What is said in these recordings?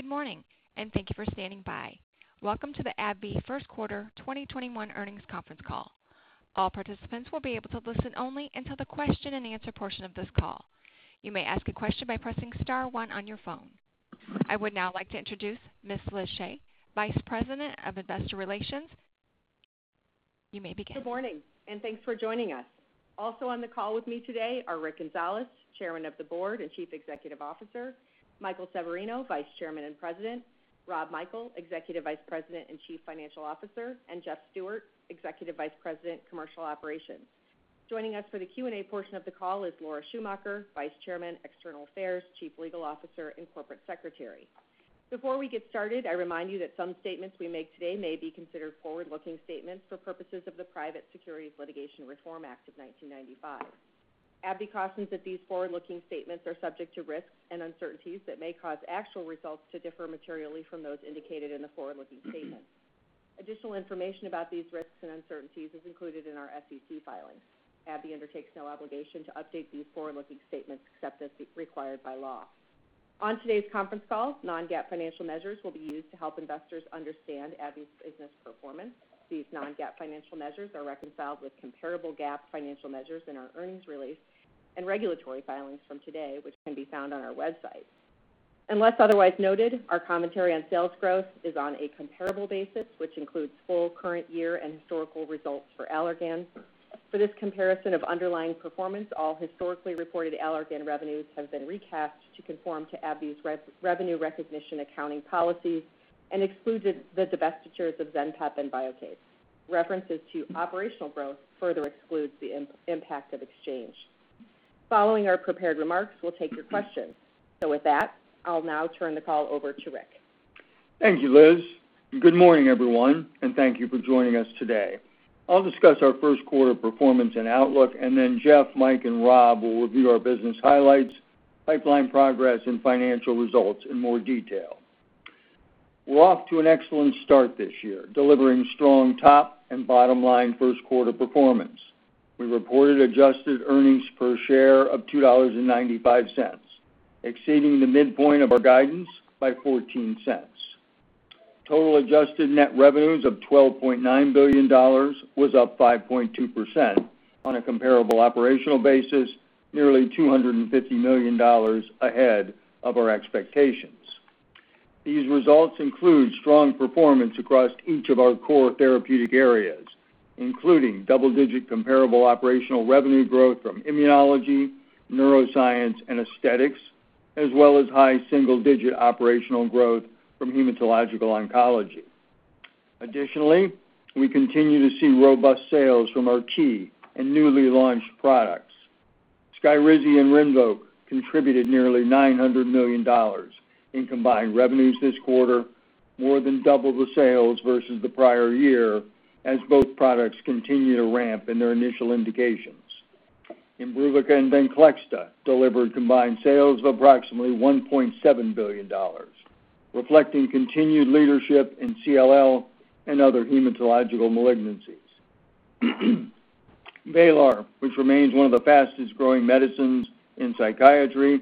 Good morning. Thank you for standing by. Welcome to the AbbVie First Quarter 2021 Earnings Conference Call. All participants will be able to listen only until the question and answer portion of this call. You may ask a question by pressing star one on your phone. I would now like to introduce Ms. Liz Shea, Vice President of Investor Relations. You may begin. Good morning. Thanks for joining us. On the call with me today are Rick Gonzalez, Chairman of the Board and Chief Executive Officer, Michael Severino, Vice Chairman and President, Rob Michael, Executive Vice President and Chief Financial Officer, and Jeff Stewart, Executive Vice President, Commercial Operations. Joining us for the Q&A portion of the call is Laura Schumacher, Vice Chairman, External Affairs, Chief Legal Officer, and Corporate Secretary. Before we get started, I remind you that some statements we make today may be considered forward-looking statements for purposes of the Private Securities Litigation Reform Act of 1995. AbbVie cautions that these forward-looking statements are subject to risks and uncertainties that may cause actual results to differ materially from those indicated in the forward-looking statements. Additional information about these risks and uncertainties is included in our SEC filings. AbbVie undertakes no obligation to update these forward-looking statements except as required by law. On today's conference call, non-GAAP financial measures will be used to help investors understand AbbVie's business performance. These non-GAAP financial measures are reconciled with comparable GAAP financial measures in our earnings release and regulatory filings from today, which can be found on our website. Unless otherwise noted, our commentary on sales growth is on a comparable basis, which includes full current year and historical results for Allergan. For this comparison of underlying performance, all historically reported Allergan revenues have been recast to conform to AbbVie's revenue recognition accounting policies and excluded the divestitures of Zenpep and VIOKACE. References to operational growth further excludes the impact of exchange. Following our prepared remarks, we'll take your questions. With that, I'll now turn the call over to Rick. Thank you, Liz. Good morning, everyone, and thank you for joining us today. I'll discuss our first quarter performance and outlook, and then Jeff, Mike and Rob will review our business highlights, pipeline progress, and financial results in more detail. We're off to an excellent start this year, delivering strong top and bottom line first quarter performance. We reported adjusted earnings per share of $2.95, exceeding the midpoint of our guidance by $0.14. Total adjusted net revenues of $12.9 billion was up 5.2% on a comparable operational basis, nearly $250 million ahead of our expectations. These results include strong performance across each of our core therapeutic areas, including double-digit comparable operational revenue growth from immunology, neuroscience, and Aesthetics, as well as high single-digit operational growth from hematological oncology. Additionally, we continue to see robust sales from our key and newly launched products. SKYRIZI and RINVOQ contributed nearly $900 million in combined revenues this quarter, more than double the sales versus the prior year, as both products continue to ramp in their initial indications. IMBRUVICA and VENCLEXTA delivered combined sales of approximately $1.7 billion, reflecting continued leadership in CLL and other hematological malignancies. VRAYLAR, which remains one of the fastest-growing medicines in psychiatry,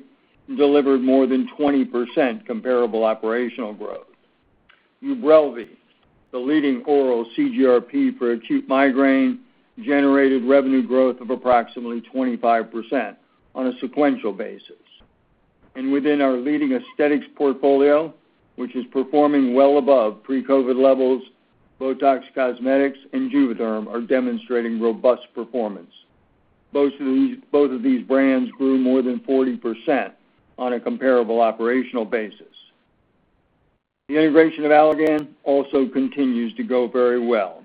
delivered more than 20% comparable operational growth. UBRELVY, the leading oral CGRP for acute migraine, generated revenue growth of approximately 25% on a sequential basis. Within our leading Aesthetics portfolio, which is performing well above pre-COVID levels, BOTOX Cosmetic and JUVÉDERM are demonstrating robust performance. Both of these brands grew more than 40% on a comparable operational basis. The integration of Allergan also continues to go very well.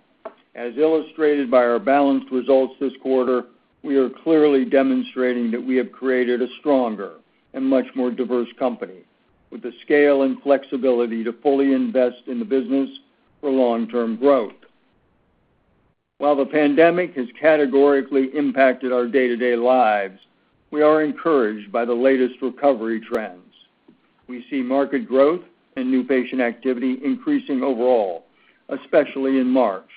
As illustrated by our balanced results this quarter, we are clearly demonstrating that we have created a stronger and much more diverse company with the scale and flexibility to fully invest in the business for long-term growth. While the pandemic has categorically impacted our day-to-day lives, we are encouraged by the latest recovery trends. We see market growth and new patient activity increasing overall, especially in March,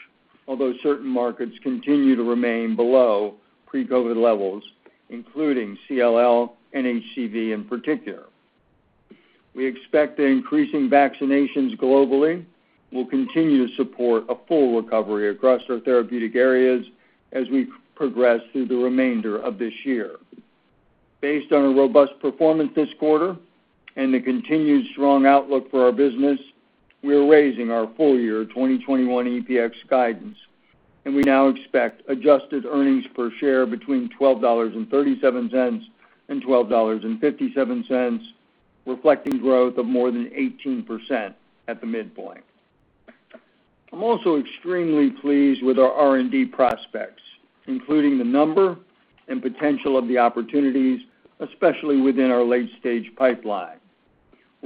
although certain markets continue to remain below pre-COVID levels, including CLL and HCV in particular. We expect the increasing vaccinations globally will continue to support a full recovery across our therapeutic areas as we progress through the remainder of this year. Based on a robust performance this quarter and the continued strong outlook for our business, we are raising our full year 2021 EPS guidance, and we now expect adjusted earnings per share between $12.37 and $12.57, reflecting growth of more than 18% at the midpoint. I'm also extremely pleased with our R&D prospects, including the number and potential of the opportunities, especially within our late-stage pipeline.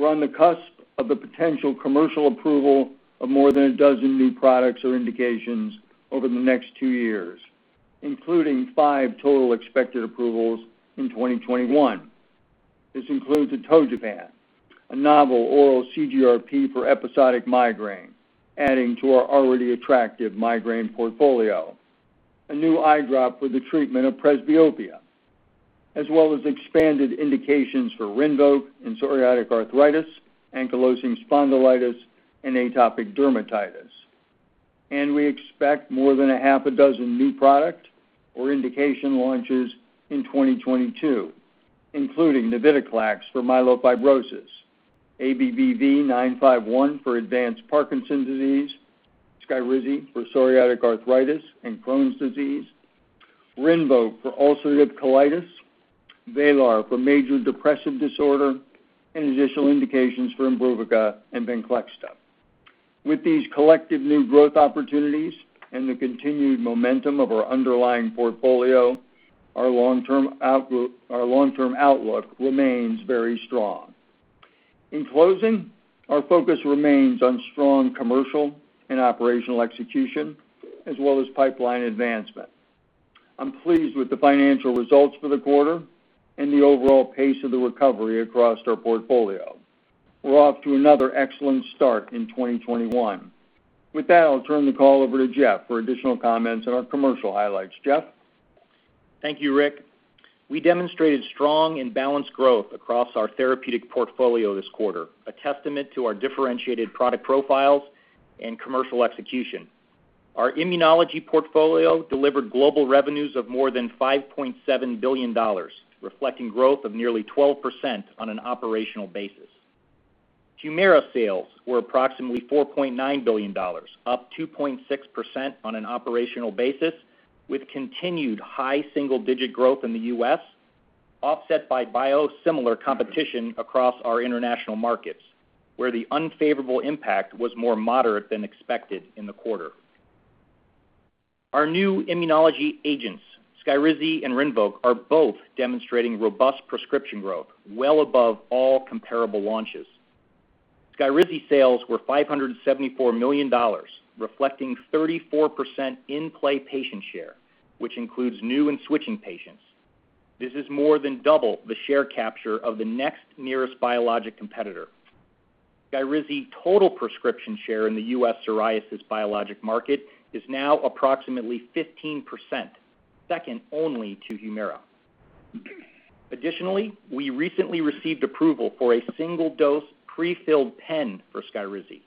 We're on the cusp of the potential commercial approval of more than a dozen new products or indications over the next two years, including five total expected approvals in 2021. This includes atogepant, a novel oral CGRP for episodic migraine, adding to our already attractive migraine portfolio. A new eye drop for the treatment of presbyopia, as well as expanded indications for RINVOQ in psoriatic arthritis, ankylosing spondylitis, and atopic dermatitis. We expect more than a half dozen new product or indication launches in 2022, including navitoclax for myelofibrosis, ABBV-951 for advanced Parkinson's disease, SKYRIZI for psoriatic arthritis and Crohn's disease, RINVOQ for ulcerative colitis, VRAYLAR for major depressive disorder, and additional indications for IMBRUVICA and VENCLEXTA. With these collective new growth opportunities and the continued momentum of our underlying portfolio, our long-term outlook remains very strong. In closing, our focus remains on strong commercial and operational execution, as well as pipeline advancement. I'm pleased with the financial results for the quarter and the overall pace of the recovery across our portfolio. We're off to another excellent start in 2021. With that, I'll turn the call over to Jeff for additional comments on our commercial highlights. Jeff? Thank you, Rick. We demonstrated strong and balanced growth across our therapeutic portfolio this quarter, a testament to our differentiated product profiles and commercial execution. Our immunology portfolio delivered global revenues of more than $5.7 billion, reflecting growth of nearly 12% on an operational basis. HUMIRA sales were approximately $4.9 billion, up 2.6% on an operational basis, with continued high single-digit growth in the U.S., offset by biosimilar competition across our international markets, where the unfavorable impact was more moderate than expected in the quarter. Our new immunology agents, SKYRIZI and RINVOQ, are both demonstrating robust prescription growth well above all comparable launches. SKYRIZI sales were $574 million, reflecting 34% in-play patient share, which includes new and switching patients. This is more than double the share capture of the next nearest biologic competitor. SKYRIZI total prescription share in the U.S. psoriasis biologic market is now approximately 15%, second only to HUMIRA. Additionally, we recently received approval for a single-dose prefilled pen for SKYRIZI,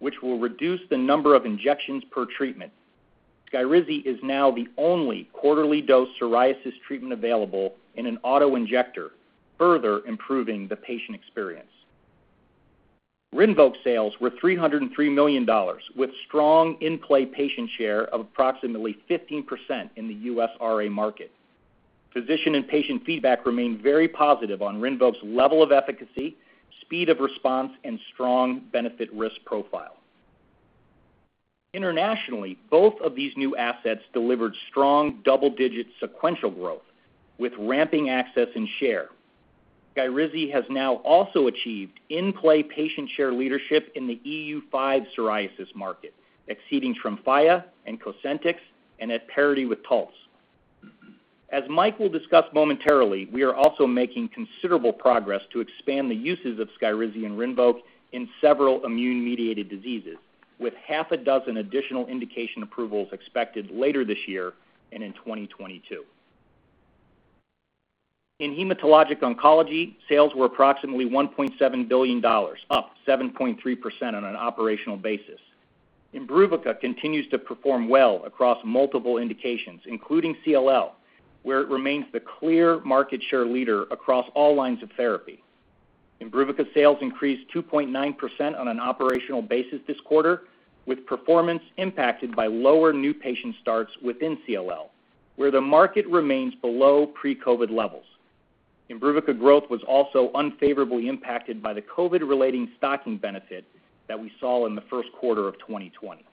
which will reduce the number of injections per treatment. SKYRIZI is now the only quarterly dose psoriasis treatment available in an auto-injector, further improving the patient experience. RINVOQ sales were $303 million with strong in-play patient share of approximately 15% in the U.S. RA market. Physician and patient feedback remained very positive on RINVOQ's level of efficacy, speed of response, and strong benefit/risk profile. Internationally, both of these new assets delivered strong double-digit sequential growth with ramping access and share. SKYRIZI has now also achieved in-play patient share leadership in the EU5 psoriasis market, exceeding TREMFYA and COSENTYX and at parity with Taltz. As Mike will discuss momentarily, we are also making considerable progress to expand the uses of SKYRIZI and RINVOQ in several immune-mediated diseases, with half a dozen additional indication approvals expected later this year and in 2022. In hematologic oncology, sales were approximately $1.7 billion, up 7.3% on an operational basis. IMBRUVICA continues to perform well across multiple indications, including CLL, where it remains the clear market share leader across all lines of therapy. IMBRUVICA sales increased 2.9% on an operational basis this quarter, with performance impacted by lower new patient starts within CLL, where the market remains below pre-COVID levels. IMBRUVICA growth was also unfavorably impacted by the COVID-relating stocking benefit that we saw in the first quarter of 2020.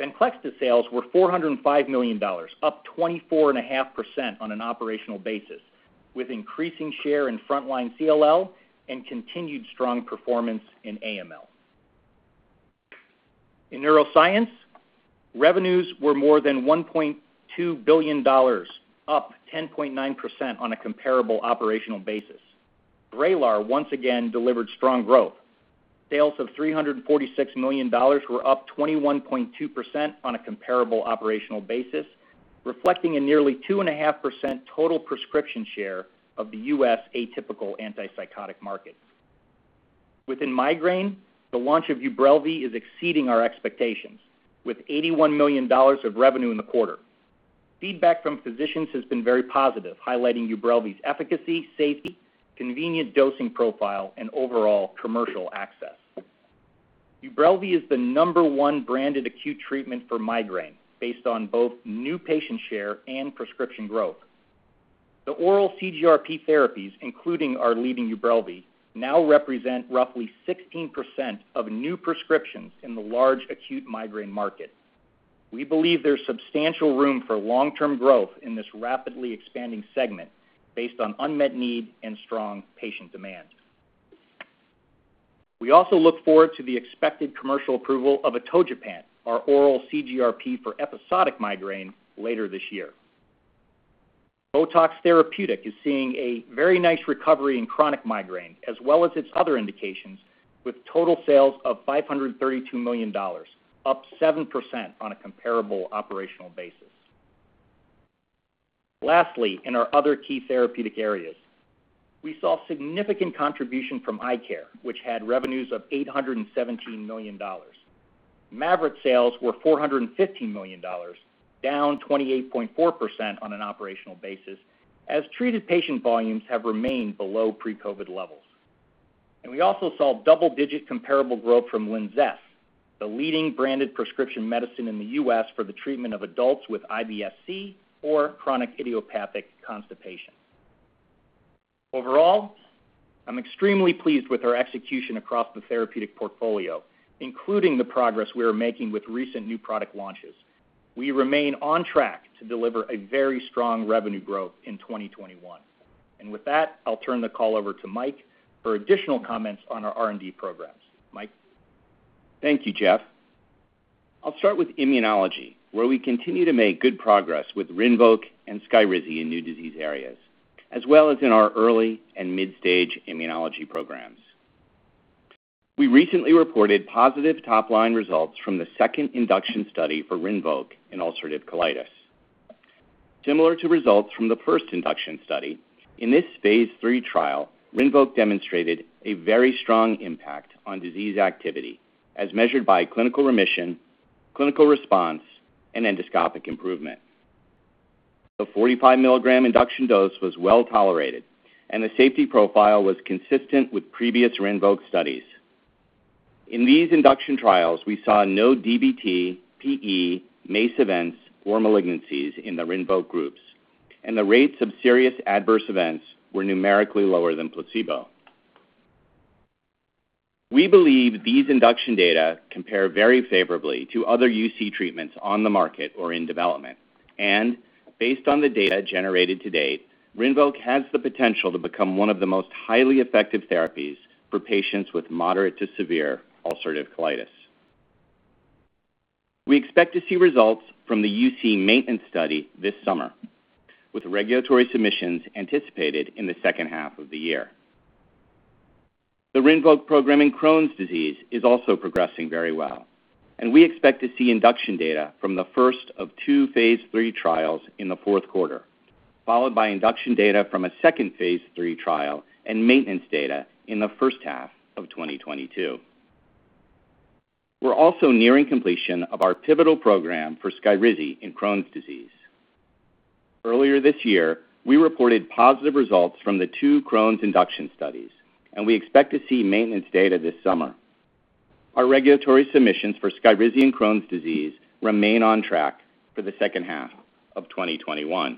VENCLEXTA sales were $405 million, up 24.5% on an operational basis, with increasing share in frontline CLL and continued strong performance in AML. In neuroscience, revenues were more than $1.2 billion, up 10.9% on a comparable operational basis. VRAYLAR once again delivered strong growth. Sales of $346 million were up 21.2% on a comparable operational basis, reflecting a nearly 2.5% total prescription share of the U.S. atypical antipsychotic market. Within migraine, the launch of UBRELVY is exceeding our expectations with $81 million of revenue in the quarter. Feedback from physicians has been very positive, highlighting UBRELVY's efficacy, safety, convenient dosing profile, and overall commercial access. UBRELVY is the number one branded acute treatment for migraine based on both new patient share and prescription growth. The oral CGRP therapies, including our leading UBRELVY, now represent roughly 16% of new prescriptions in the large acute migraine market. We believe there's substantial room for long-term growth in this rapidly expanding segment based on unmet need and strong patient demand. We also look forward to the expected commercial approval of atogepant, our oral CGRP for episodic migraine, later this year. BOTOX Therapeutic is seeing a very nice recovery in chronic migraine as well as its other indications with total sales of $532 million, up 7% on a comparable operational basis. Lastly, in our other key therapeutic areas, we saw significant contribution from eye care, which had revenues of $817 million. MAVYRET sales were $415 million, down 28.4% on an operational basis, as treated patient volumes have remained below pre-COVID levels. We also saw double-digit comparable growth from LINZESS, the leading branded prescription medicine in the U.S. for the treatment of adults with IBS-C or chronic idiopathic constipation. Overall, I'm extremely pleased with our execution across the therapeutic portfolio, including the progress we are making with recent new product launches. We remain on track to deliver a very strong revenue growth in 2021. With that, I'll turn the call over to Mike for additional comments on our R&D programs. Mike? Thank you, Jeff. I'll start with immunology, where we continue to make good progress with RINVOQ and SKYRIZI in new disease areas, as well as in our early and mid-stage immunology programs. We recently reported positive top-line results from the second induction study for RINVOQ in ulcerative colitis. Similar to results from the first induction study, in this phase III trial, RINVOQ demonstrated a very strong impact on disease activity, as measured by clinical remission, clinical response, and endoscopic improvement. The 45 mg induction dose was well-tolerated, and the safety profile was consistent with previous RINVOQ studies. In these induction trials, we saw no DVT, PE, MACE events, or malignancies in the RINVOQ groups, and the rates of serious adverse events were numerically lower than placebo. We believe these induction data compare very favorably to other UC treatments on the market or in development. Based on the data generated to date, RINVOQ has the potential to become one of the most highly effective therapies for patients with moderate to severe ulcerative colitis. We expect to see results from the UC maintenance study this summer, with regulatory submissions anticipated in the second half of the year. The RINVOQ program in Crohn's disease is also progressing very well, and we expect to see induction data from the first of two phase III trials in the fourth quarter, followed by induction data from a second phase III trial and maintenance data in the first half of 2022. We are also nearing completion of our pivotal program for SKYRIZI in Crohn's disease. Earlier this year, we reported positive results from the two Crohn's induction studies, and we expect to see maintenance data this summer. Our regulatory submissions for SKYRIZI in Crohn's disease remain on track for the second half of 2021.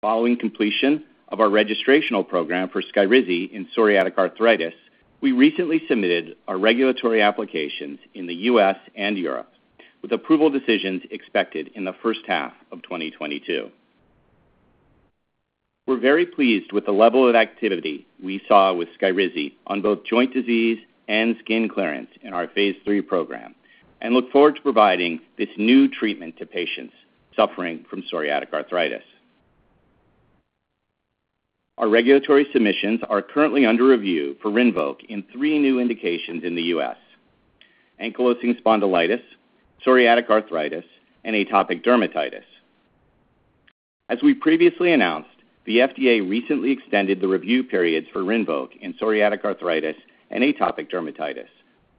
Following completion of our registrational program for SKYRIZI in psoriatic arthritis, we recently submitted our regulatory applications in the U.S. and Europe, with approval decisions expected in the first half of 2022. We're very pleased with the level of activity we saw with SKYRIZI on both joint disease and skin clearance in our phase III program and look forward to providing this new treatment to patients suffering from psoriatic arthritis. Our regulatory submissions are currently under review for RINVOQ in three new indications in the U.S.: ankylosing spondylitis, psoriatic arthritis, and atopic dermatitis. As we previously announced, the FDA recently extended the review periods for RINVOQ in psoriatic arthritis and atopic dermatitis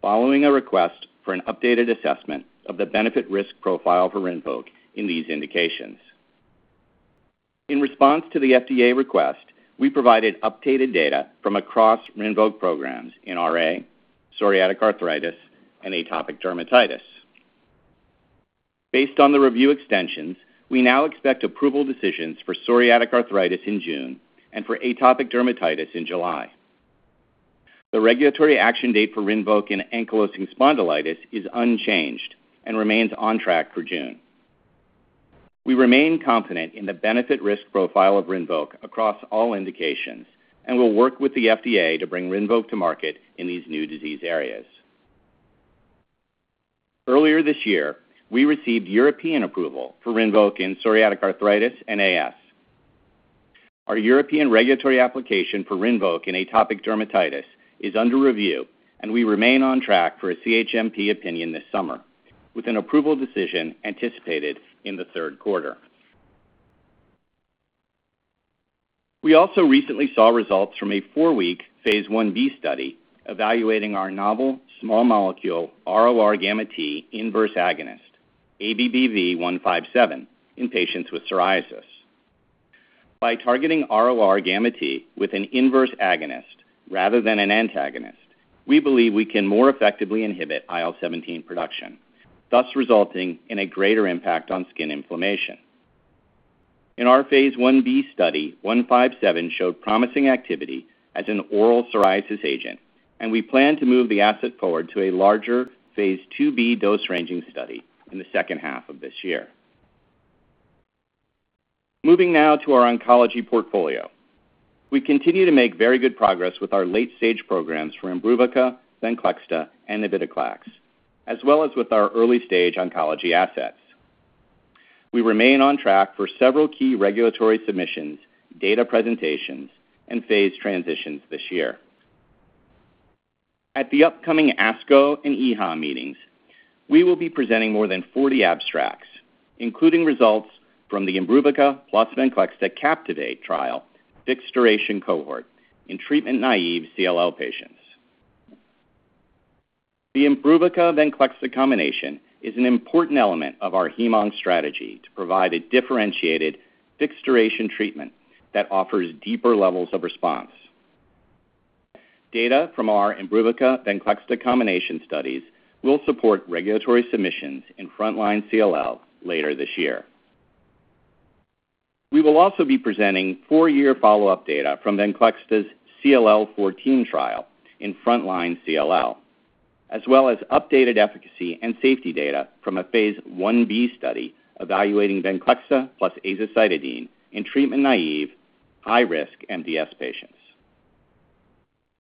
following a request for an updated assessment of the benefit/risk profile for RINVOQ in these indications. In response to the FDA request, we provided updated data from across RINVOQ programs in RA, psoriatic arthritis, and atopic dermatitis. Based on the review extensions, we now expect approval decisions for psoriatic arthritis in June and for atopic dermatitis in July. The regulatory action date for RINVOQ in ankylosing spondylitis is unchanged and remains on track for June. We remain confident in the benefit/risk profile of RINVOQ across all indications and will work with the FDA to bring RINVOQ to market in these new disease areas. Earlier this year, we received European approval for RINVOQ in psoriatic arthritis and AS. Our European regulatory application for RINVOQ in atopic dermatitis is under review, and we remain on track for a CHMP opinion this summer, with an approval decision anticipated in the third quarter. We also recently saw results from a four-week phase I-B study evaluating our novel small molecule RORγt inverse agonist, ABBV-157, in patients with psoriasis. By targeting RORγt with an inverse agonist rather than an antagonist, we believe we can more effectively inhibit IL-17 production, thus resulting in a greater impact on skin inflammation. In our phase I-B study, 157 showed promising activity as an oral psoriasis agent, we plan to move the asset forward to a larger phase II-B dose-ranging study in the second half of this year. Moving now to our oncology portfolio. We continue to make very good progress with our late-stage programs for IMBRUVICA, VENCLEXTA, and navitoclax, as well as with our early-stage oncology assets. We remain on track for several key regulatory submissions, data presentations, and phase transitions this year. At the upcoming ASCO and EHA meetings, we will be presenting more than 40 abstracts, including results from the IMBRUVICA plus VENCLEXTA CAPTIVATE trial fixed-duration cohort in treatment-naive CLL patients. The IMBRUVICA-VENCLEXTA combination is an important element of our hem-onc strategy to provide a differentiated fixed-duration treatment that offers deeper levels of response. Data from our IMBRUVICA-VENCLEXTA combination studies will support regulatory submissions in frontline CLL later this year. We will also be presenting four-year follow-up data from VENCLEXTA's CLL14 trial in frontline CLL, as well as updated efficacy and safety data from a phase I-B study evaluating VENCLEXTA plus azacitidine in treatment-naive, high-risk MDS patients.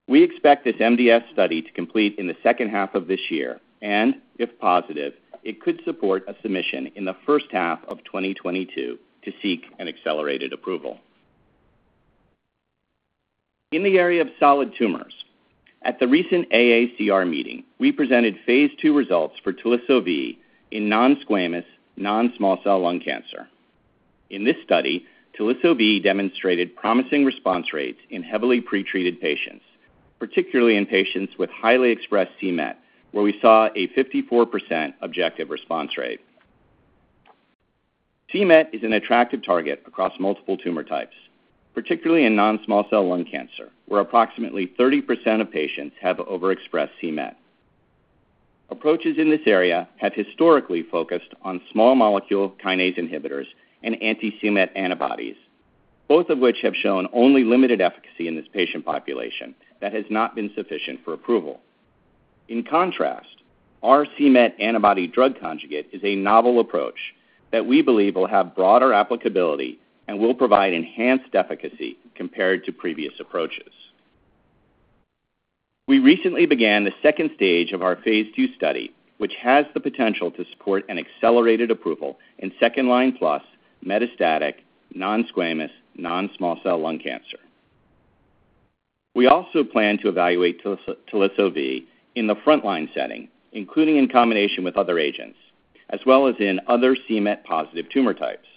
We expect this MDS study to complete in the second half of this year, and if positive, it could support a submission in the first half of 2022 to seek an accelerated approval. In the area of solid tumors, at the recent AACR meeting, we presented phase II results for telisotuzumab vedotin in non-squamous non-small cell lung cancer. In this study, telisotuzumab vedotin demonstrated promising response rates in heavily pretreated patients, particularly in patients with highly expressed c-Met, where we saw a 54% objective response rate. c-Met is an attractive target across multiple tumor types, particularly in non-small cell lung cancer, where approximately 30% of patients have overexpressed c-Met. Approaches in this area have historically focused on small molecule kinase inhibitors and anti-c-Met antibodies, both of which have shown only limited efficacy in this patient population that has not been sufficient for approval. In contrast, our c-Met antibody drug conjugate is a novel approach that we believe will have broader applicability and will provide enhanced efficacy compared to previous approaches. We recently began the second stage of our phase II study, which has the potential to support an accelerated approval in second-line plus metastatic non-squamous non-small cell lung cancer. We also plan to evaluate telisotuzumab vedotin in the frontline setting, including in combination with other agents, as well as in other c-Met-positive tumor types.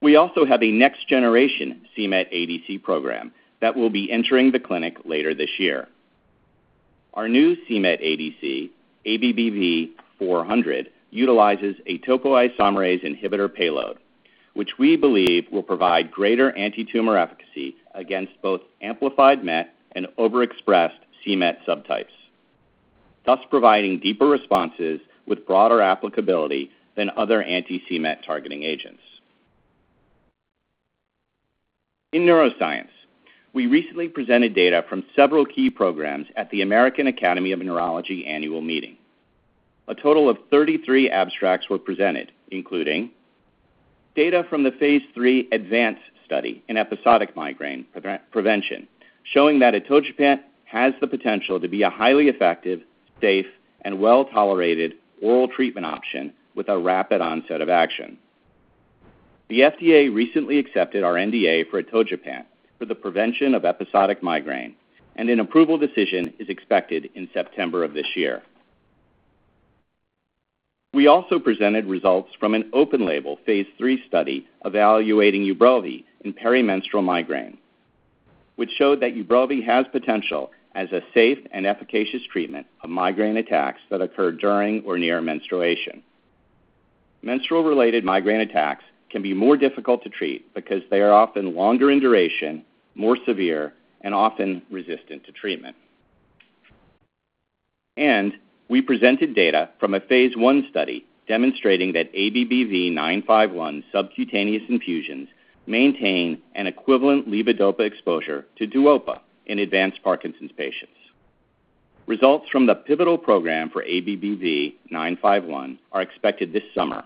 We also have a next-generation c-Met ADC program that will be entering the clinic later this year. Our new c-Met ADC, ABBV-400, utilizes a topoisomerase inhibitor payload, which we believe will provide greater antitumor efficacy against both amplified MET and overexpressed c-Met subtypes, thus providing deeper responses with broader applicability than other anti-c-Met targeting agents. In neuroscience, we recently presented data from several key programs at the American Academy of Neurology Annual Meeting. A total of 33 abstracts were presented, including data from the Phase III ADVANCE study in episodic migraine prevention, showing that atogepant has the potential to be a highly effective, safe, and well-tolerated oral treatment option with a rapid onset of action. The FDA recently accepted our NDA for atogepant for the prevention of episodic migraine. An approval decision is expected in September of this year. We also presented results from an open-label Phase III study evaluating UBRELVY in perimenstrual migraine, which showed that UBRELVY has potential as a safe and efficacious treatment of migraine attacks that occur during or near menstruation. Menstrual-related migraine attacks can be more difficult to treat because they are often longer in duration, more severe, and often resistant to treatment. We presented data from a phase I study demonstrating that ABBV-951 subcutaneous infusions maintain an equivalent levodopa exposure to DUOPA in advanced Parkinson's patients. Results from the pivotal program for ABBV-951 are expected this summer,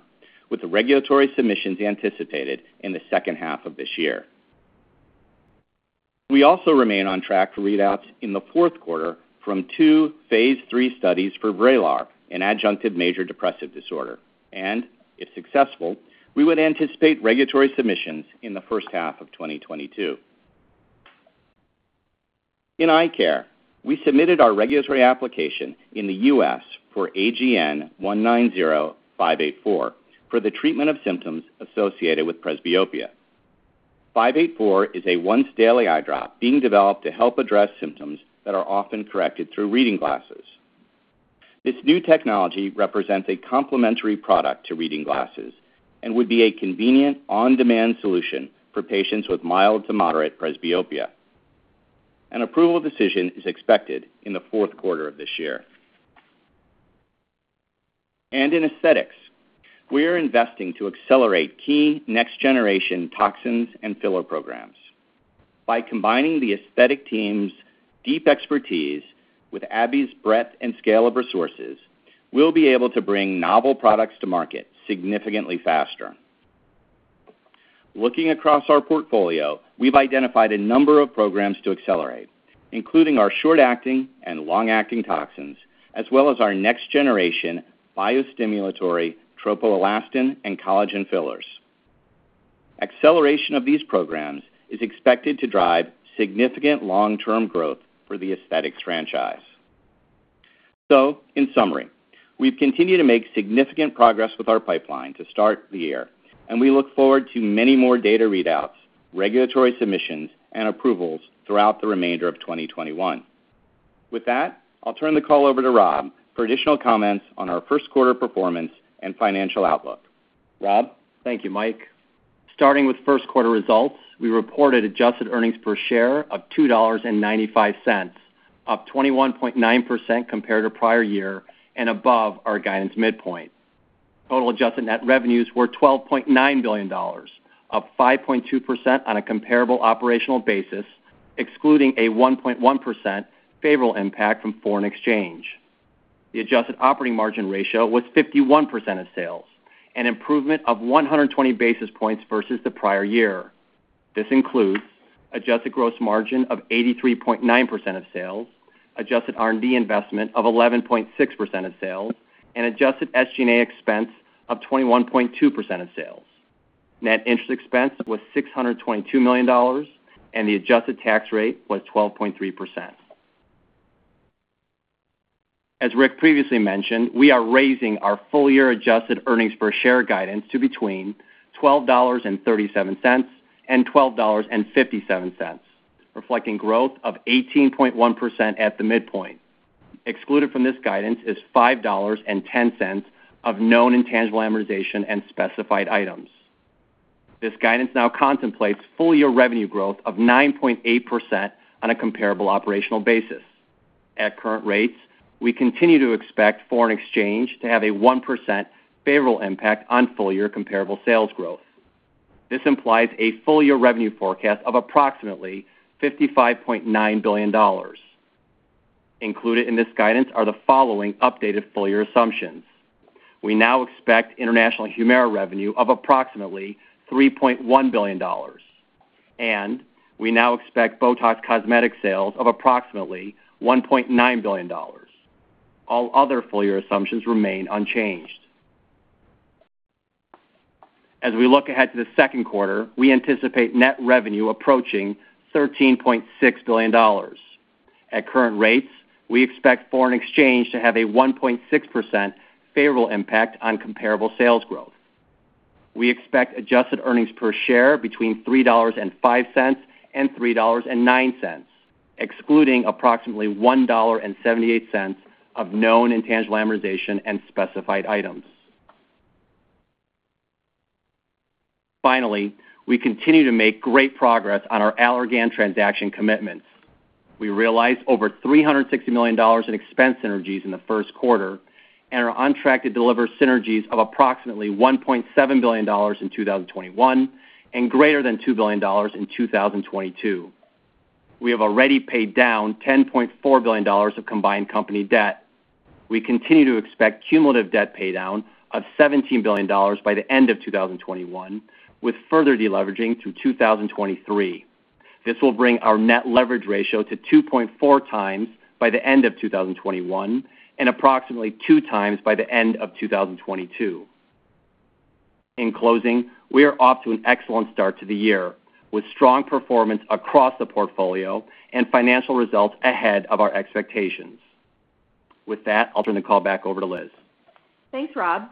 with the regulatory submissions anticipated in the second half of this year. We also remain on track for readouts in the fourth quarter from two phase III studies for VRAYLAR in adjunctive major depressive disorder, if successful, we would anticipate regulatory submissions in the first half of 2022. In eye care, we submitted our regulatory application in the U.S. for AGN-190584 for the treatment of symptoms associated with presbyopia. 584 is a once-daily eye drop being developed to help address symptoms that are often corrected through reading glasses. This new technology represents a complementary product to reading glasses and would be a convenient on-demand solution for patients with mild to moderate presbyopia. An approval decision is expected in the fourth quarter of this year. In Aesthetics, we are investing to accelerate key next-generation toxins and filler programs. By combining the aesthetic team's deep expertise with AbbVie's breadth and scale of resources, we'll be able to bring novel products to market significantly faster. Looking across our portfolio, we've identified a number of programs to accelerate, including our short-acting and long-acting toxins, as well as our next-generation biostimulatory tropoelastin and collagen fillers. Acceleration of these programs is expected to drive significant long-term growth for the Aesthetics franchise. In summary, we've continued to make significant progress with our pipeline to start the year, and we look forward to many more data readouts, regulatory submissions, and approvals throughout the remainder of 2021. With that, I'll turn the call over to Rob for additional comments on our first quarter performance and financial outlook. Rob? Thank you, Mike. Starting with first quarter results, we reported adjusted earnings per share of $2.95, up 21.9% compared to prior year and above our guidance midpoint. Total adjusted net revenues were $12.9 billion, up 5.2% on a comparable operational basis, excluding a 1.1% favorable impact from foreign exchange. The adjusted operating margin ratio was 51% of sales, an improvement of 120 basis points versus the prior year. This includes adjusted gross margin of 83.9% of sales, adjusted R&D investment of 11.6% of sales, and adjusted SG&A expense of 21.2% of sales. Net interest expense was $622 million, and the adjusted tax rate was 12.3%. As Rick previously mentioned, we are raising our full-year adjusted earnings per share guidance to between $12.37 and $12.57, reflecting growth of 18.1% at the midpoint. Excluded from this guidance is $5.10 of known intangible amortization and specified items. This guidance now contemplates full-year revenue growth of 9.8% on a comparable operational basis. At current rates, we continue to expect foreign exchange to have a 1% favorable impact on full-year comparable sales growth. This implies a full-year revenue forecast of approximately $55.9 billion. Included in this guidance are the following updated full-year assumptions. We now expect international HUMIRA revenue of approximately $3.1 billion, and we now expect BOTOX Cosmetic sales of approximately $1.9 billion. All other full-year assumptions remain unchanged. As we look ahead to the second quarter, we anticipate net revenue approaching $13.6 billion. At current rates, we expect foreign exchange to have a 1.6% favorable impact on comparable sales growth. We expect adjusted earnings per share between $3.05 and $3.09, excluding approximately $1.78 of known intangible amortization and specified items. Finally, we continue to make great progress on our Allergan transaction commitments. We realized over $360 million in expense synergies in the first quarter and are on track to deliver synergies of approximately $1.7 billion in 2021 and greater than $2 billion in 2022. We have already paid down $10.4 billion of combined company debt. We continue to expect cumulative debt paydown of $17 billion by the end of 2021, with further deleveraging through 2023. This will bring our net leverage ratio to 2.4x by the end of 2021 and approximately 2x by the end of 2022. In closing, we are off to an excellent start to the year, with strong performance across the portfolio and financial results ahead of our expectations. With that, I'll turn the call back over to Liz. Thanks, Rob.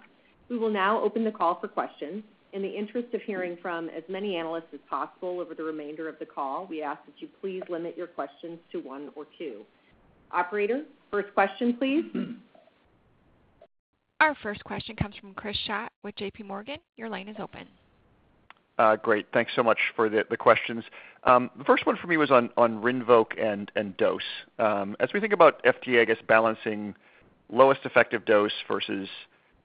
We will now open the call for questions. In the interest of hearing from as many analysts as possible over the remainder of the call, we ask that you please limit your questions to one or two. Operator, first question please. Our first question comes from Chris Schott with JPMorgan. Your line is open. Great. Thanks so much for the questions. The first one for me was on RINVOQ and dose. As we think about FDA, I guess, balancing lowest effective dose versus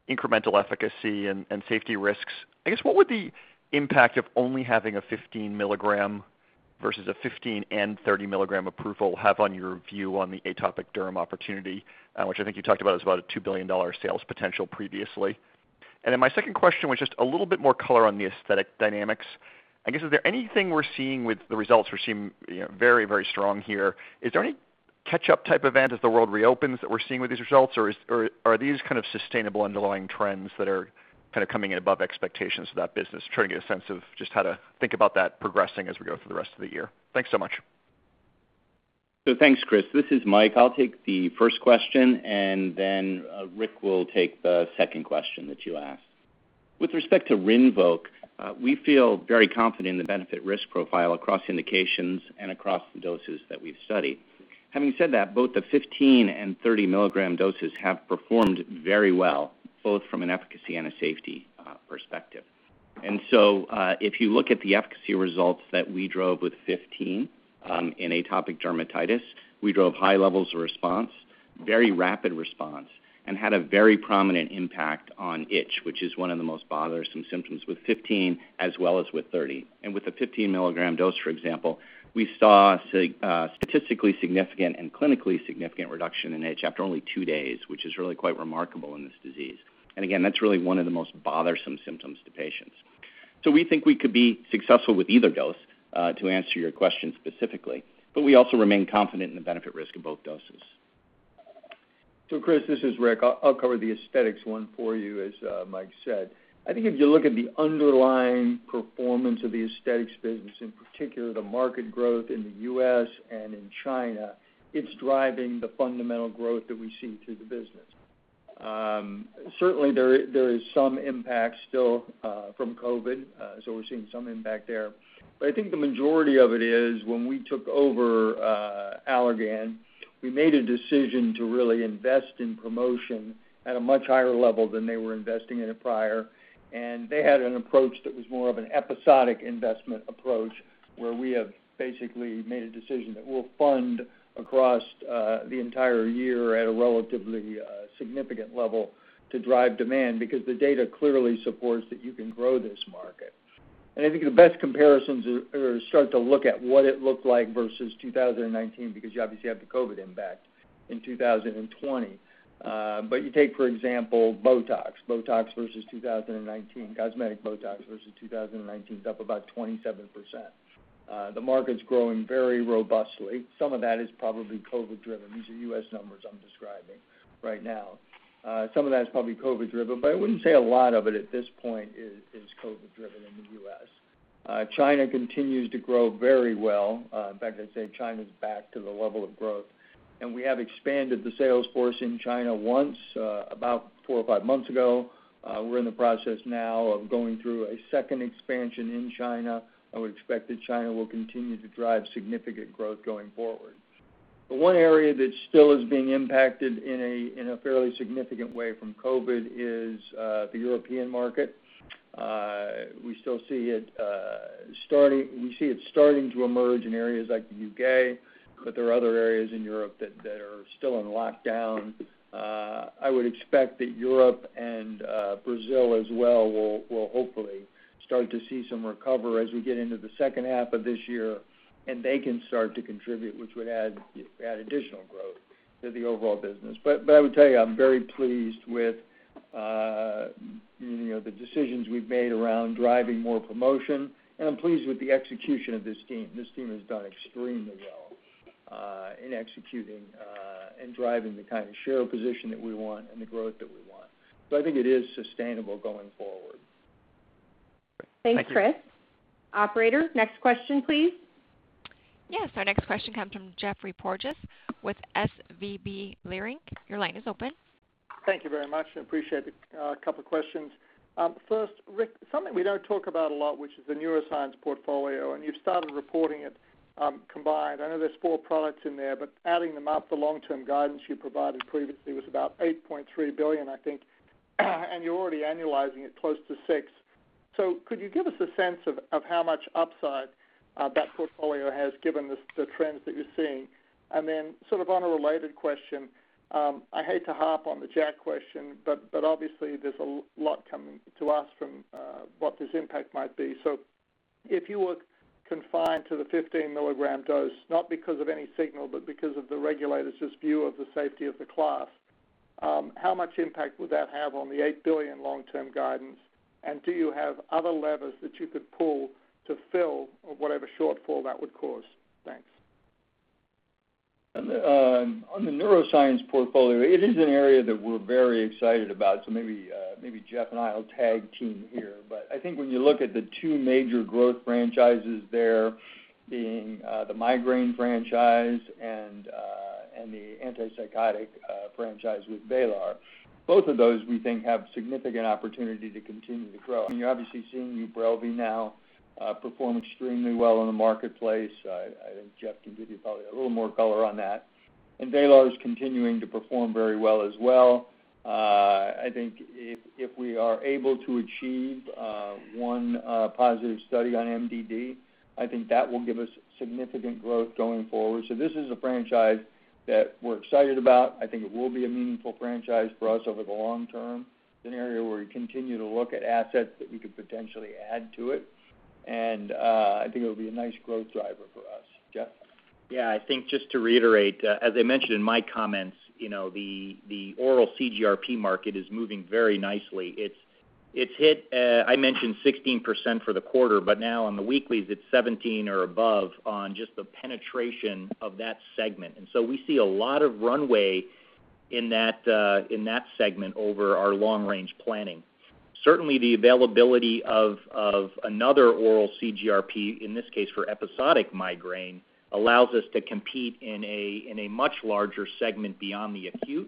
incremental efficacy and safety risks, I guess, what would the impact of only having a 15 mg versus a 15 mg and 30 mg approval have on your view on the atopic derm opportunity, which I think you talked about is about a $2 billion sales potential previously? My second question was just a little bit more color on the aesthetic dynamics. I guess, is there anything we're seeing with the results we're seeing very strong here? Is there any catch-up type event as the world reopens that we're seeing with these results, or are these kind of sustainable underlying trends that are kind of coming in above expectations for that business? Trying to get a sense of just how to think about that progressing as we go through the rest of the year. Thanks so much. Thanks, Chris. This is Mike. I'll take the first question, and then Rick will take the second question that you asked. With respect to RINVOQ, we feel very confident in the benefit risk profile across indications and across the doses that we've studied. Having said that, both the 15 mg and 30 mg doses have performed very well, both from an efficacy and a safety perspective. If you look at the efficacy results that we drove with 15 mg in atopic dermatitis, we drove high levels of response. Very rapid response and had a very prominent impact on itch, which is one of the most bothersome symptoms with 15 mg as well as with 30 mg. With the 15 mg dose, for example, we saw statistically significant and clinically significant reduction in itch after only two days, which is really quite remarkable in this disease. Again, that's really one of the most bothersome symptoms to patients. We think we could be successful with either dose, to answer your question specifically, but we also remain confident in the benefit risk of both doses. Chris, this is Rick. I'll cover the Aesthetics one for you, as Mike said. I think if you look at the underlying performance of the Aesthetics business, in particular the market growth in the U.S. and in China, it's driving the fundamental growth that we see through the business. Certainly, there is some impact still from COVID, so we're seeing some impact there. I think the majority of it is when we took over Allergan, we made a decision to really invest in promotion at a much higher level than they were investing in it prior. They had an approach that was more of an episodic investment approach, where we have basically made a decision that we'll fund across the entire year at a relatively significant level to drive demand, because the data clearly supports that you can grow this market. I think the best comparisons are start to look at what it looked like versus 2019, because you obviously have the COVID impact in 2020. You take, for example, BOTOX. BOTOX versus 2019, BOTOX Cosmetic versus 2019, is up about 27%. The market's growing very robustly. Some of that is probably COVID driven. These are U.S. numbers I'm describing right now. Some of that is probably COVID driven, but I wouldn't say a lot of it at this point is COVID driven in the U.S. China continues to grow very well. In fact, I'd say China's back to the level of growth. We have expanded the sales force in China once, about four or five months ago. We're in the process now of going through a second expansion in China. I would expect that China will continue to drive significant growth going forward. The one area that still is being impacted in a fairly significant way from COVID is the European market. We see it starting to emerge in areas like the U.K., but there are other areas in Europe that are still in lockdown. I would expect that Europe and Brazil as well will hopefully start to see some recovery as we get into the second half of this year, and they can start to contribute, which would add additional growth to the overall business. I would tell you, I'm very pleased with the decisions we've made around driving more promotion, and I'm pleased with the execution of this team. This team has done extremely well in executing and driving the kind of share position that we want and the growth that we want. I think it is sustainable going forward. Great. Thank you. Thanks, Chris. Operator, next question, please. Yes, our next question comes from Geoffrey Porges with SVB Leerink. Your line is open. Thank you very much. I appreciate it. A couple of questions. First, Rick, something we don't talk about a lot, which is the neuroscience portfolio, and you've started reporting it combined. I know there's four products in there, but adding them up, the long-term guidance you provided previously was about $8.3 billion, I think. You're already annualizing it close to $6 billion. Could you give us a sense of how much upside that portfolio has given the trends that you're seeing? Sort of on a related question, I hate to harp on the JAK question, but obviously there's a lot coming to us from what this impact might be. If you were confined to the 15 mg dose, not because of any signal, but because of the regulators' view of the safety of the class, how much impact would that have on the $8 billion long-term guidance? Do you have other levers that you could pull to fill whatever shortfall that would cause? Thanks. On the neuroscience portfolio, it is an area that we're very excited about. Maybe Jeff and I will tag team here. I think when you look at the two major growth franchises there being the migraine franchise and the antipsychotic franchise with VRAYLAR, both of those we think have significant opportunity to continue to grow. You're obviously seeing UBRELVY now perform extremely well in the marketplace. I think Jeff can give you probably a little more color on that. VRAYLAR is continuing to perform very well as well. I think if we are able to achieve one positive study on MDD, I think that will give us significant growth going forward. This is a franchise that we're excited about. I think it will be a meaningful franchise for us over the long term. It's an area where we continue to look at assets that we could potentially add to it. I think it'll be a nice growth driver for us. Jeff? Yeah, I think just to reiterate, as I mentioned in my comments, the oral CGRP market is moving very nicely. It's hit, I mentioned 16% for the quarter, but now on the weeklies, it's 17% or above on just the penetration of that segment. We see a lot of runway in that segment over our long range planning. Certainly, the availability of another oral CGRP, in this case for episodic migraine, allows us to compete in a much larger segment beyond the acute.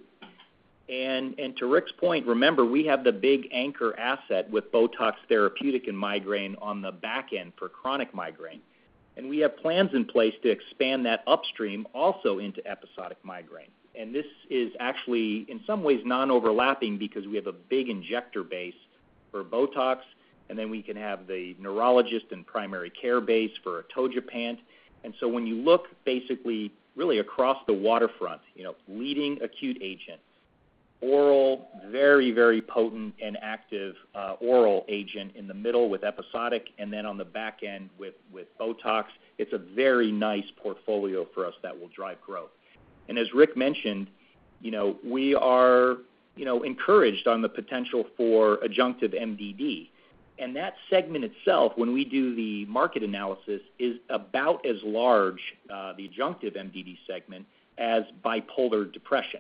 To Rick's point, remember, we have the big anchor asset with BOTOX Therapeutic and migraine on the back end for chronic migraine. We have plans in place to expand that upstream also into episodic migraine. This is actually in some ways non-overlapping because we have a big injector base. For BOTOX, and then we can have the neurologist and primary care base for atogepant. When you look basically really across the waterfront, leading acute agent, oral, very potent and active oral agent in the middle with episodic, and then on the back end with BOTOX. It's a very nice portfolio for us that will drive growth. As Rick mentioned, we are encouraged on the potential for adjunctive MDD. That segment itself, when we do the market analysis, is about as large, the adjunctive MDD segment, as bipolar depression.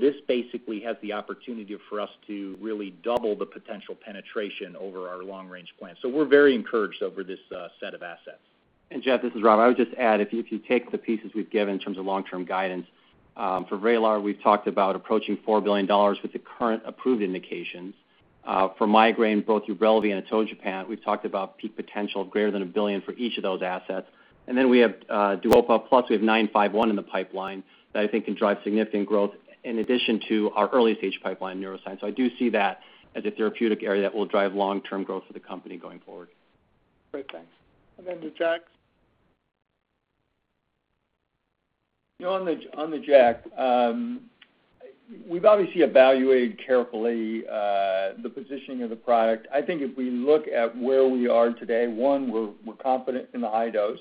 This basically has the opportunity for us to really double the potential penetration over our long-range plan. We're very encouraged over this set of assets. Jeff, this is Rob. I would just add, if you take the pieces we've given in terms of long-term guidance. For VRAYLAR, we've talked about approaching $4 billion with the current approved indications. For migraine, both UBRELVY and atogepant, we've talked about peak potential of greater than $1 billion for each of those assets. Then we have DUOPA, plus we have ABBV-951 in the pipeline that I think can drive significant growth in addition to our early-stage pipeline in neuroscience. I do see that as a therapeutic area that will drive long-term growth for the company going forward. Great. Thanks. About JAK. On the JAK. We've obviously evaluated carefully the positioning of the product. I think if we look at where we are today, one, we're confident in the high dose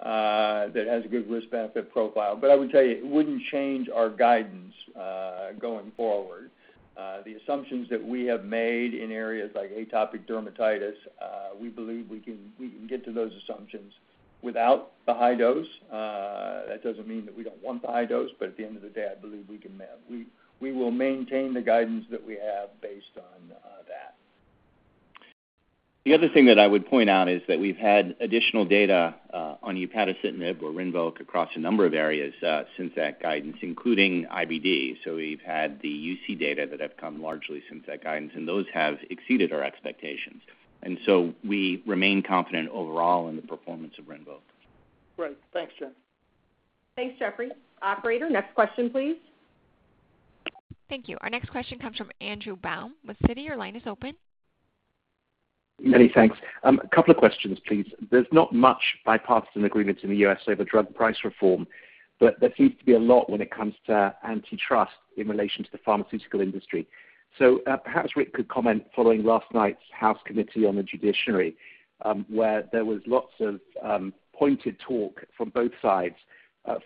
that has a good risk-benefit profile. I would tell you, it wouldn't change our guidance going forward. The assumptions that we have made in areas like atopic dermatitis, we believe we can get to those assumptions without the high dose. That doesn't mean that we don't want the high dose, but at the end of the day, I believe we can manage. We will maintain the guidance that we have based on that. The other thing that I would point out is that we've had additional data on upadacitinib or RINVOQ across a number of areas since that guidance, including IBD. We've had the UC data that have come largely since that guidance, and those have exceeded our expectations. We remain confident overall in the performance of RINVOQ. Great. Thanks. Thanks, Geoffrey. Operator, next question, please. Thank you. Our next question comes from Andrew Baum with Citi. Your line is open. Many thanks. A couple of questions, please. There's not much bipartisan agreement in the U.S. over drug price reform, but there seems to be a lot when it comes to antitrust in relation to the pharmaceutical industry. Perhaps Rick could comment following last night's House Committee on the Judiciary, where there was lots of pointed talk from both sides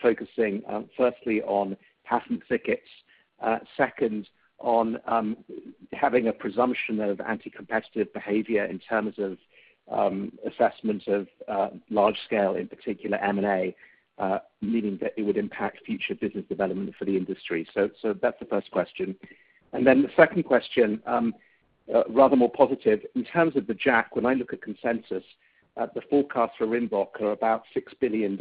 focusing firstly on patent thickets, second on having a presumption of anti-competitive behavior in terms of assessments of large scale, in particular M&A, meaning that it would impact future business development for the industry. That's the first question. The second question, rather more positive. In terms of the JAK, when I look at consensus, the forecast for RINVOQ are about $6 billion.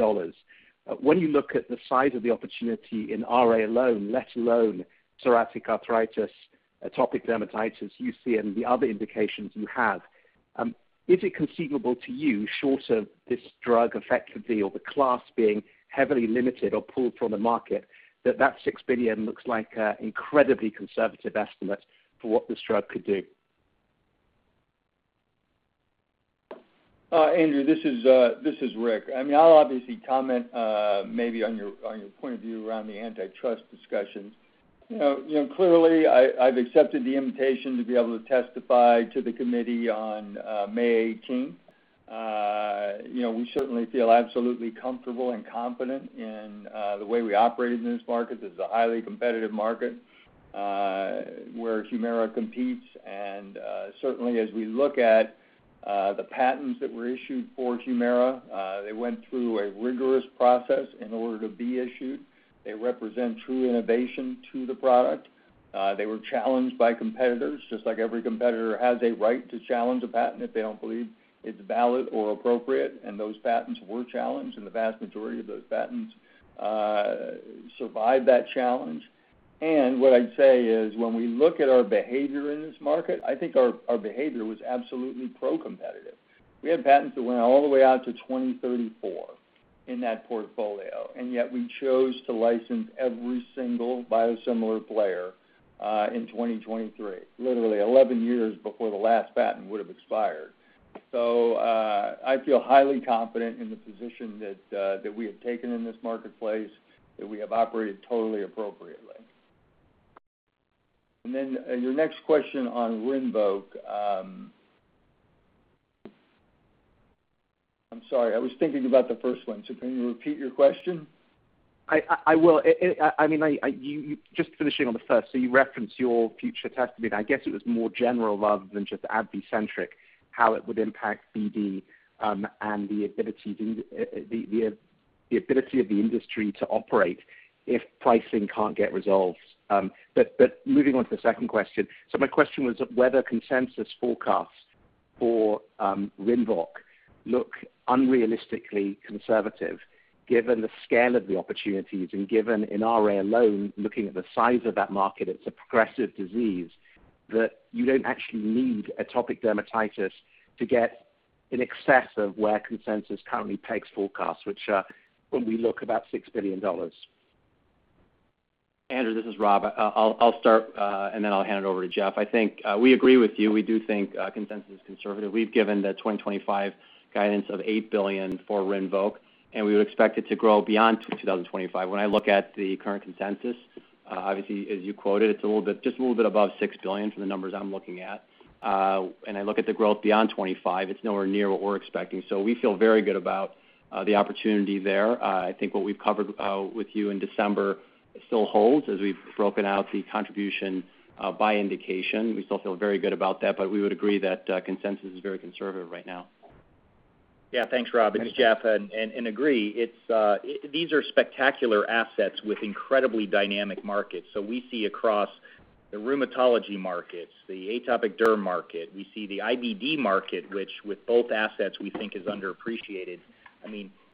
When you look at the size of the opportunity in RA alone, let alone psoriatic arthritis, atopic dermatitis, UC, and the other indications you have, is it conceivable to you, short of this drug effectively or the class being heavily limited or pulled from the market, that $6 billion looks like an incredibly conservative estimate for what this drug could do? Andrew, this is Rick. I'll obviously comment maybe on your point of view around the antitrust discussions. Clearly, I've accepted the invitation to be able to testify to the committee on May 18th. We certainly feel absolutely comfortable and confident in the way we operate in this market. This is a highly competitive market where HUMIRA competes, and certainly as we look at the patents that were issued for HUMIRA, they went through a rigorous process in order to be issued. They represent true innovation to the product. They were challenged by competitors, just like every competitor has a right to challenge a patent if they don't believe it's valid or appropriate. Those patents were challenged, and the vast majority of those patents survived that challenge. What I'd say is when we look at our behavior in this market, I think our behavior was absolutely pro-competitive. We had patents that went all the way out to 2034 in that portfolio, yet we chose to license every single biosimilar player in 2023, literally 11 years before the last patent would have expired. I feel highly confident in the position that we have taken in this marketplace, that we have operated totally appropriately. Your next question on RINVOQ. I'm sorry, I was thinking about the first one. Can you repeat your question? I will. Just finishing on the first. You referenced your future testimony. I guess it was more general rather than just AbbVie centric, how it would impact BD and the ability of the industry to operate if pricing can't get resolved. Moving on to the second question. My question was whether consensus forecasts for RINVOQ look unrealistically conservative given the scale of the opportunities and given in RA alone, looking at the size of that market, it's a progressive disease that you don't actually need atopic dermatitis to get in excess of where consensus currently pegs forecasts, which are, when we look, about $6 billion. Andrew, this is Rob. I'll start, and then I'll hand it over to Jeff. I think we agree with you. We do think consensus is conservative. We've given the 2025 guidance of $8 billion for RINVOQ, and we would expect it to grow beyond 2025. When I look at the current consensus, obviously, as you quoted, it's just a little bit above $6 billion from the numbers I'm looking at. I look at the growth beyond 2025, it's nowhere near what we're expecting. We feel very good about the opportunity there. I think what we've covered with you in December still holds as we've broken out the contribution by indication. We still feel very good about that, but we would agree that consensus is very conservative right now. Thanks, Rob this is Jeff. These are spectacular assets with incredibly dynamic markets. We see across the rheumatology markets, the atopic derm market, we see the IBD market, which with both assets we think is underappreciated.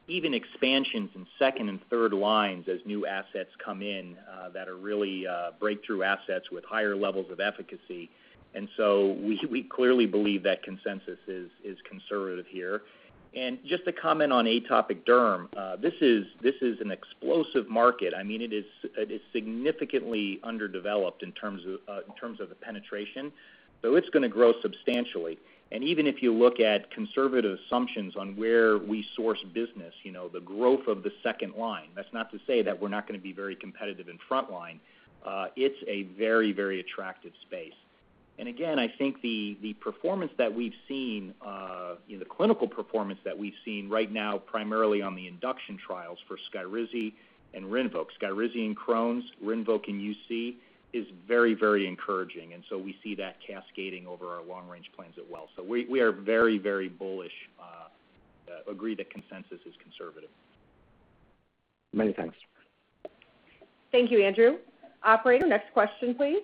Even expansions in second and third lines as new assets come in that are really breakthrough assets with higher levels of efficacy. We clearly believe that consensus is conservative here. Just to comment on atopic derm, this is an explosive market. It is significantly underdeveloped in terms of the penetration, so it's going to grow substantially. Even if you look at conservative assumptions on where we source business, the growth of the second line, that's not to say that we're not going to be very competitive in frontline. It's a very, very attractive space. Again, I think the performance that we've seen, the clinical performance that we've seen right now, primarily on the induction trials for SKYRIZI and RINVOQ, SKYRIZI in Crohn's, RINVOQ in UC, is very, very encouraging. We see that cascading over our long-range plans as well. We are very, very bullish, agree that consensus is conservative. Many thanks. Thank you, Andrew. Operator, next question, please.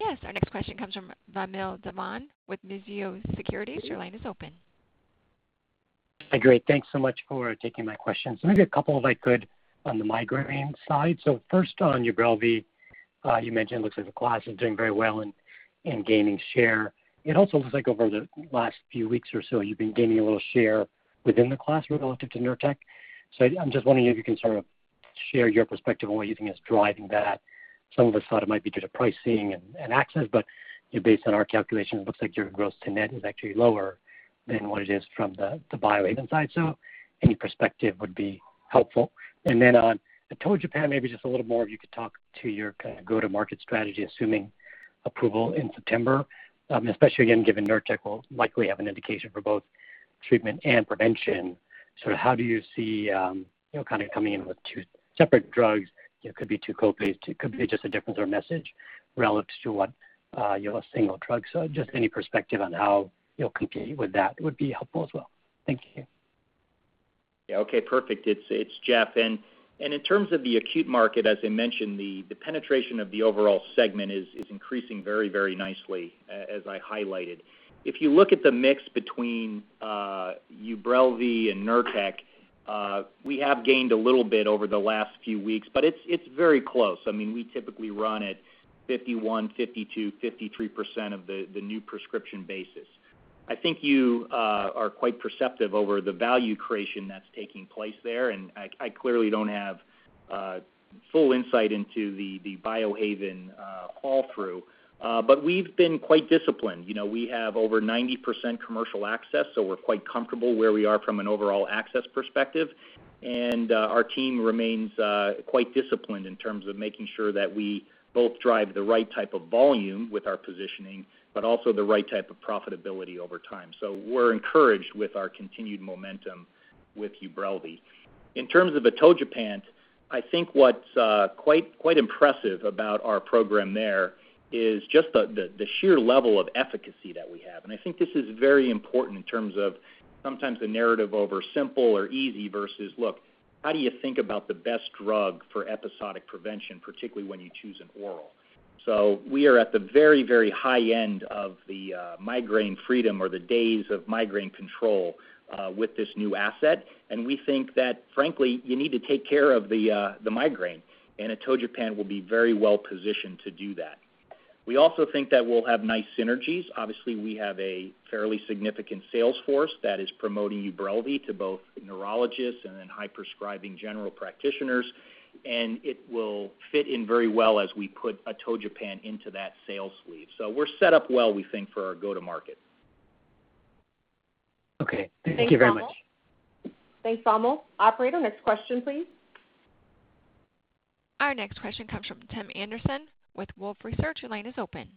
Yes, our next question comes from Vamil Divan with Mizuho Securities. Your line is open. Hi. Great. Thanks so much for taking my questions. Maybe a couple if I could on the migraine side. First on UBRELVY, you mentioned it looks like the class is doing very well in gaining share. It also looks like over the last few weeks or so, you've been gaining a little share within the class relative to NURTEC. I'm just wondering if you can sort of share your perspective on what you think is driving that. Some of us thought it might be due to pricing and access, but based on our calculations, it looks like your gross to net is actually lower than what it is from the Biohaven side. Any perspective would be helpful. On atogepant, maybe just a little more if you could talk to your kind of go-to-market strategy, assuming approval in September, especially again, given NURTEC will likely have an indication for both treatment and prevention. How do you see coming in with two separate drugs? It could be two copays, it could be just a difference or message relative to what your single drug. Just any perspective on how you'll compete with that would be helpful as well. Thank you. Yeah. Okay, perfect. It's Jeff. In terms of the acute market, as I mentioned, the penetration of the overall segment is increasing very, very nicely as I highlighted. If you look at the mix between UBRELVY and NURTEC, we have gained a little bit over the last few weeks, but it's very close. We typically run at 51%, 52%, 53% of the new prescription basis. I think you are quite perceptive over the value creation that's taking place there, and I clearly don't have full insight into the Biohaven fall through. We've been quite disciplined. We have over 90% commercial access, so we're quite comfortable where we are from an overall access perspective. Our team remains quite disciplined in terms of making sure that we both drive the right type of volume with our positioning, but also the right type of profitability over time. We're encouraged with our continued momentum with UBRELVY. In terms of atogepant, I think what's quite impressive about our program there is just the sheer level of efficacy that we have. I think this is very important in terms of sometimes the narrative over simple or easy versus, look, how do you think about the best drug for episodic prevention, particularly when you choose an oral? We are at the very, very high end of the migraine freedom or the days of migraine control with this new asset, and we think that frankly, you need to take care of the migraine, and atogepant will be very well positioned to do that. We also think that we'll have nice synergies. Obviously, we have a fairly significant sales force that is promoting UBRELVY to both neurologists and then high-prescribing general practitioners, and it will fit in very well as we put atogepant into that sales sleeve. We're set up well, we think, for our go to market. Okay. Thank you very much. Thanks, Vamil. Operator, next question, please. Our next question comes from Tim Anderson with Wolfe Research. Your line is open.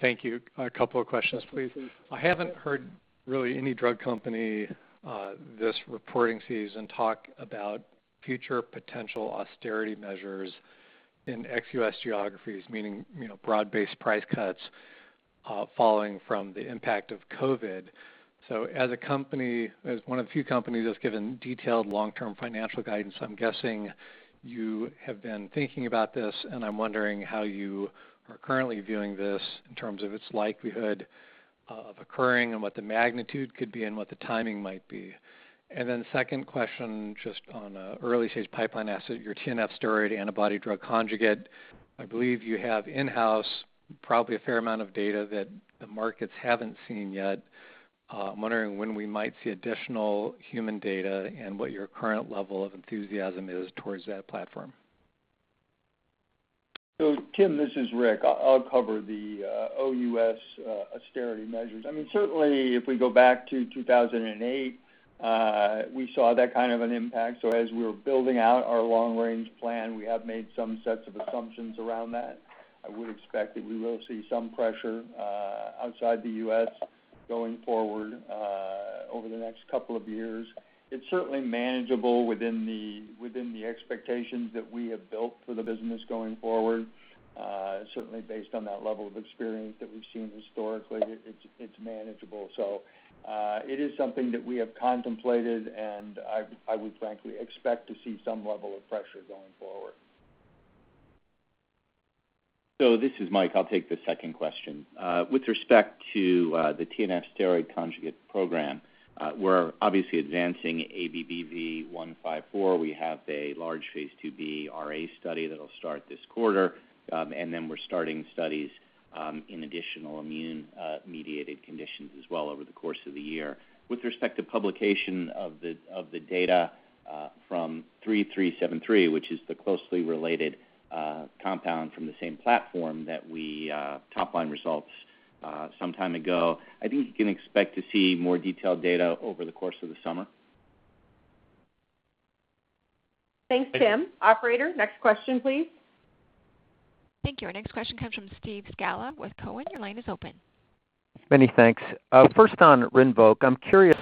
Thank you. A couple of questions, please. I haven't heard really any drug company this reporting season talk about future potential austerity measures in ex-U.S. geographies, meaning broad-based price cuts following from the impact of COVID. As one of the few companies that's given detailed long-term financial guidance, I'm guessing you have been thinking about this, and I'm wondering how you are currently viewing this in terms of its likelihood of occurring and what the magnitude could be and what the timing might be. Second question, just on an early-stage pipeline asset, your TNF steroid antibody-drug conjugate. I believe you have in-house probably a fair amount of data that the markets haven't seen yet. I'm wondering when we might see additional human data and what your current level of enthusiasm is towards that platform. Tim, this is Rick. I'll cover the OUS austerity measures. Certainly, if we go back to 2008, we saw that kind of an impact. As we were building out our long-range plan, we have made some sets of assumptions around that. I would expect that we will see some pressure outside the U.S. going forward over the next couple of years. It's certainly manageable within the expectations that we have built for the business going forward. Certainly based on that level of experience that we've seen historically, it's manageable. It is something that we have contemplated, and I would frankly expect to see some level of pressure going forward. This is Mike. I'll take the second question. With respect to the TNF steroid conjugate program, we're obviously advancing ABBV-154. We have a large phase II-B RA study that'll start this quarter, and then we're starting studies in additional immune-mediated conditions as well over the course of the year. With respect to publication of the data from ABBV-3373, which is the closely related compound from the same platform that we top-lined results some time ago, I think you can expect to see more detailed data over the course of the summer. Thanks, Tim. Operator, next question, please. Thank you. Our next question comes from Steve Scala with Cowen. Your line is open. Many thanks. First, on RINVOQ, I'm curious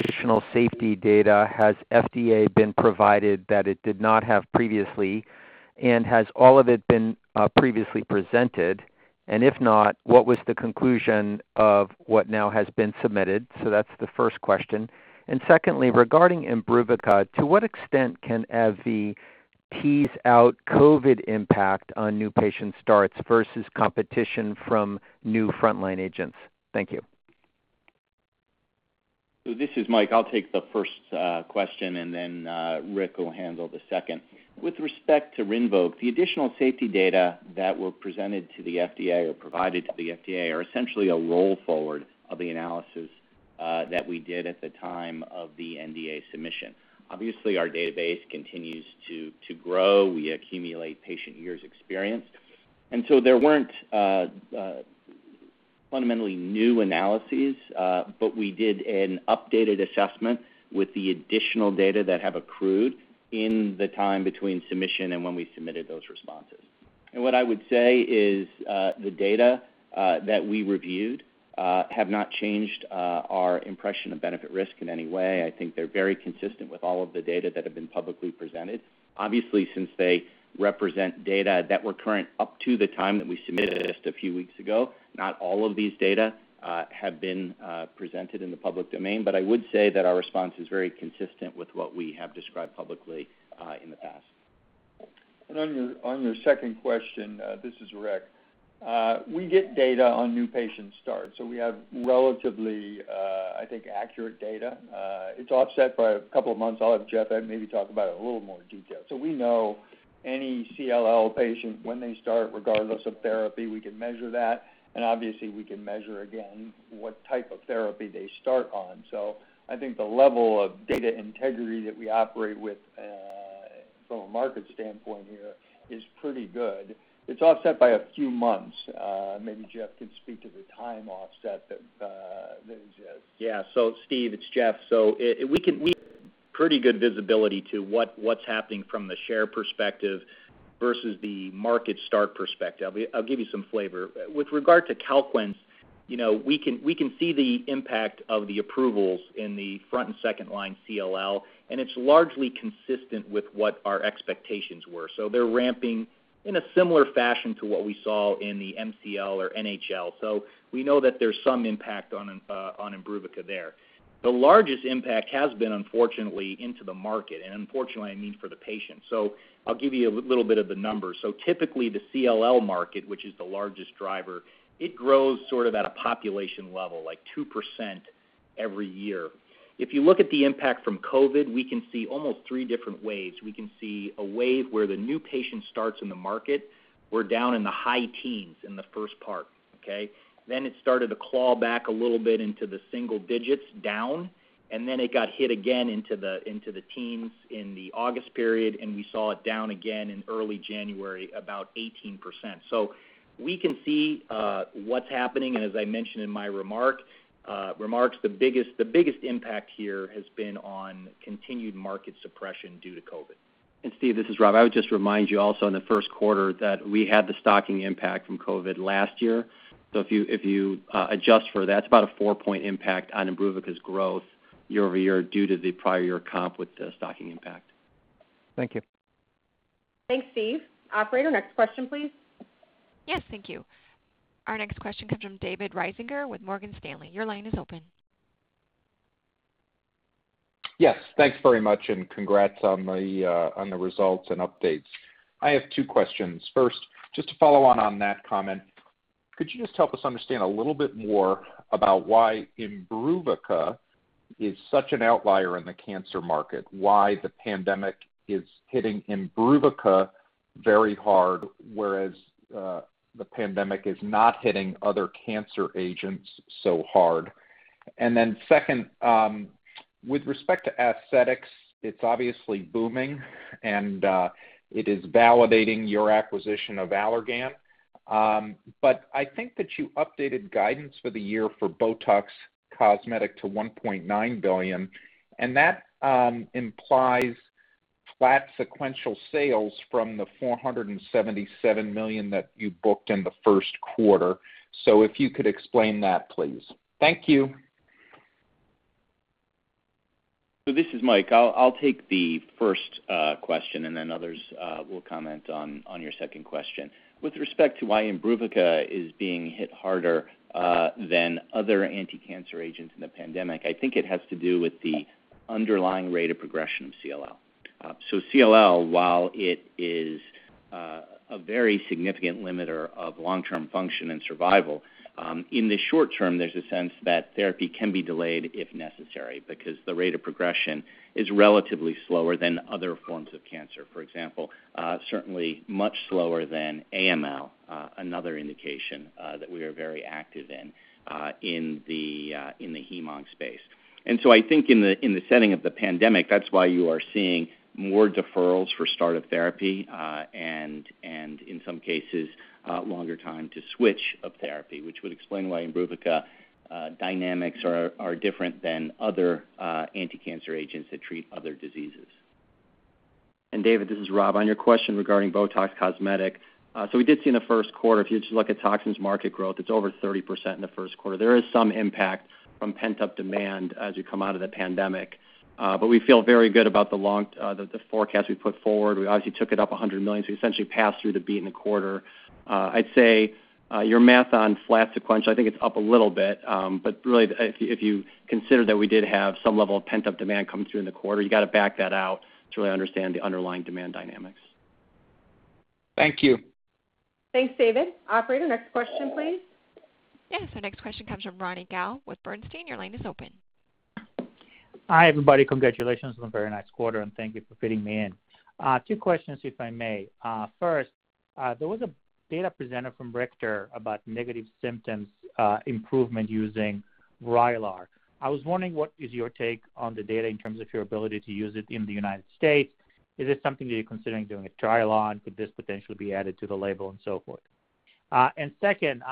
additional safety data has FDA been provided that it did not have previously, has all of it been previously presented? If not, what was the conclusion of what now has been submitted? That's the first question. Secondly, regarding IMBRUVICA, to what extent can AbbVie tease out COVID impact on new patient starts versus competition from new frontline agents? Thank you. This is Mike. I will take the first question, and then Rick will handle the second. With respect to RINVOQ, the additional safety data that were presented to the FDA or provided to the FDA are essentially a roll-forward of the analysis that we did at the time of the NDA submission. Obviously, our database continues to grow. We accumulate patient years experience. There weren't fundamentally new analyses, but we did an updated assessment with the additional data that have accrued in the time between submission and when we submitted those responses. What I would say is the data that we reviewed have not changed our impression of benefit risk in any way. I think they're very consistent with all of the data that have been publicly presented. Since they represent data that were current up to the time that we submitted just a few weeks ago, not all of these data have been presented in the public domain. I would say that our response is very consistent with what we have described publicly in the past. On your second question, this is Rick. We get data on new patient starts, so we have relatively accurate data. It's offset by a couple of months. I'll have Jeff maybe talk about it in a little more detail. We know any CLL patient when they start, regardless of therapy, we can measure that, and obviously we can measure again what type of therapy they start on. I think the level of data integrity that we operate with from a market standpoint here is pretty good. It's offset by a few months. Maybe Jeff can speak to the time offset that exists. Steve, it's Jeff. We have pretty good visibility to what's happening from the share perspective versus the market share perspective. I'll give you some flavor. With regard to CALQUENCE, we can see the impact of the approvals in the front and second-line CLL, and it's largely consistent with what our expectations were. They're ramping in a similar fashion to what we saw in the MCL or NHL. We know that there's some impact on IMBRUVICA there. The largest impact has been, unfortunately, into the market, I mean for the patient. I'll give you a little bit of the numbers. Typically, the CLL market, which is the largest driver, it grows sort of at a population level, like 2% every year. If you look at the impact from COVID, we can see almost three different waves. We can see a wave where the new patient starts in the market were down in the high teens in the first part. Okay? It started to claw back a little bit into the single digits down, and then it got hit again into the teens in the August period, and we saw it down again in early January, about 18%. We can see what's happening, and as I mentioned in my remarks, the biggest impact here has been on continued market suppression due to COVID. Steve, this is Rob. I would just remind you also in the first quarter that we had the stocking impact from COVID last year. If you adjust for that, it's about a four-point impact on IMBRUVICA's growth year-over-year due to the prior year comp with the stocking impact. Thank you. Thanks, Steve. Operator, next question, please. Yes, thank you. Our next question comes from David Risinger with Morgan Stanley. Your line is open. Yes, thanks very much, and congrats on the results and updates. I have two questions. First, just to follow on on that comment, could you just help us understand a little bit more about why IMBRUVICA is such an outlier in the cancer market? Why the pandemic is hitting IMBRUVICA very hard, whereas the pandemic is not hitting other cancer agents so hard. Second, with respect to Aesthetics, it's obviously booming, and it is validating your acquisition of Allergan. I think that you updated guidance for the year for BOTOX Cosmetic to $1.9 billion, and that implies flat sequential sales from the $477 million that you booked in the first quarter. If you could explain that, please. Thank you. This is Mike. I'll take the first question, and then others will comment on your second question. With respect to why IMBRUVICA is being hit harder than other anticancer agents in the pandemic, I think it has to do with the underlying rate of progression of CLL. CLL, while it is a very significant limiter of long-term function and survival, in the short term, there's a sense that therapy can be delayed if necessary because the rate of progression is relatively slower than other forms of cancer. For example, certainly much slower than AML, another indication that we are very active in the hem-onc space. I think in the setting of the pandemic, that's why you are seeing more deferrals for start of therapy, and in some cases, longer time to switch of therapy, which would explain why IMBRUVICA dynamics are different than other anticancer agents that treat other diseases. David, this is Rob on your question regarding BOTOX Cosmetic. We did see in the first quarter, if you just look at toxins market growth, it's over 30% in the first quarter. There is some impact from pent-up demand as you come out of the pandemic. We feel very good about the forecast we put forward. We obviously took it up $100 million, so we essentially passed through the beat in the quarter. I'd say your math on flat sequential, I think it's up a little bit. Really, if you consider that we did have some level of pent-up demand coming through in the quarter, you got to back that out to really understand the underlying demand dynamics. Thank you. Thanks, David. Operator, next question, please. Yes, the next question comes from Ronny Gal with Bernstein. Your line is open. Hi, everybody. Congratulations on a very nice quarter, thank you for fitting me in. Two questions, if I may. First, there was a data presented from Richard about negative symptoms improvement using VRAYLAR. I was wondering what is your take on the data in terms of your ability to use it in the U.S. Is this something that you're considering doing a trial on? Could this potentially be added to the label and so forth? Second,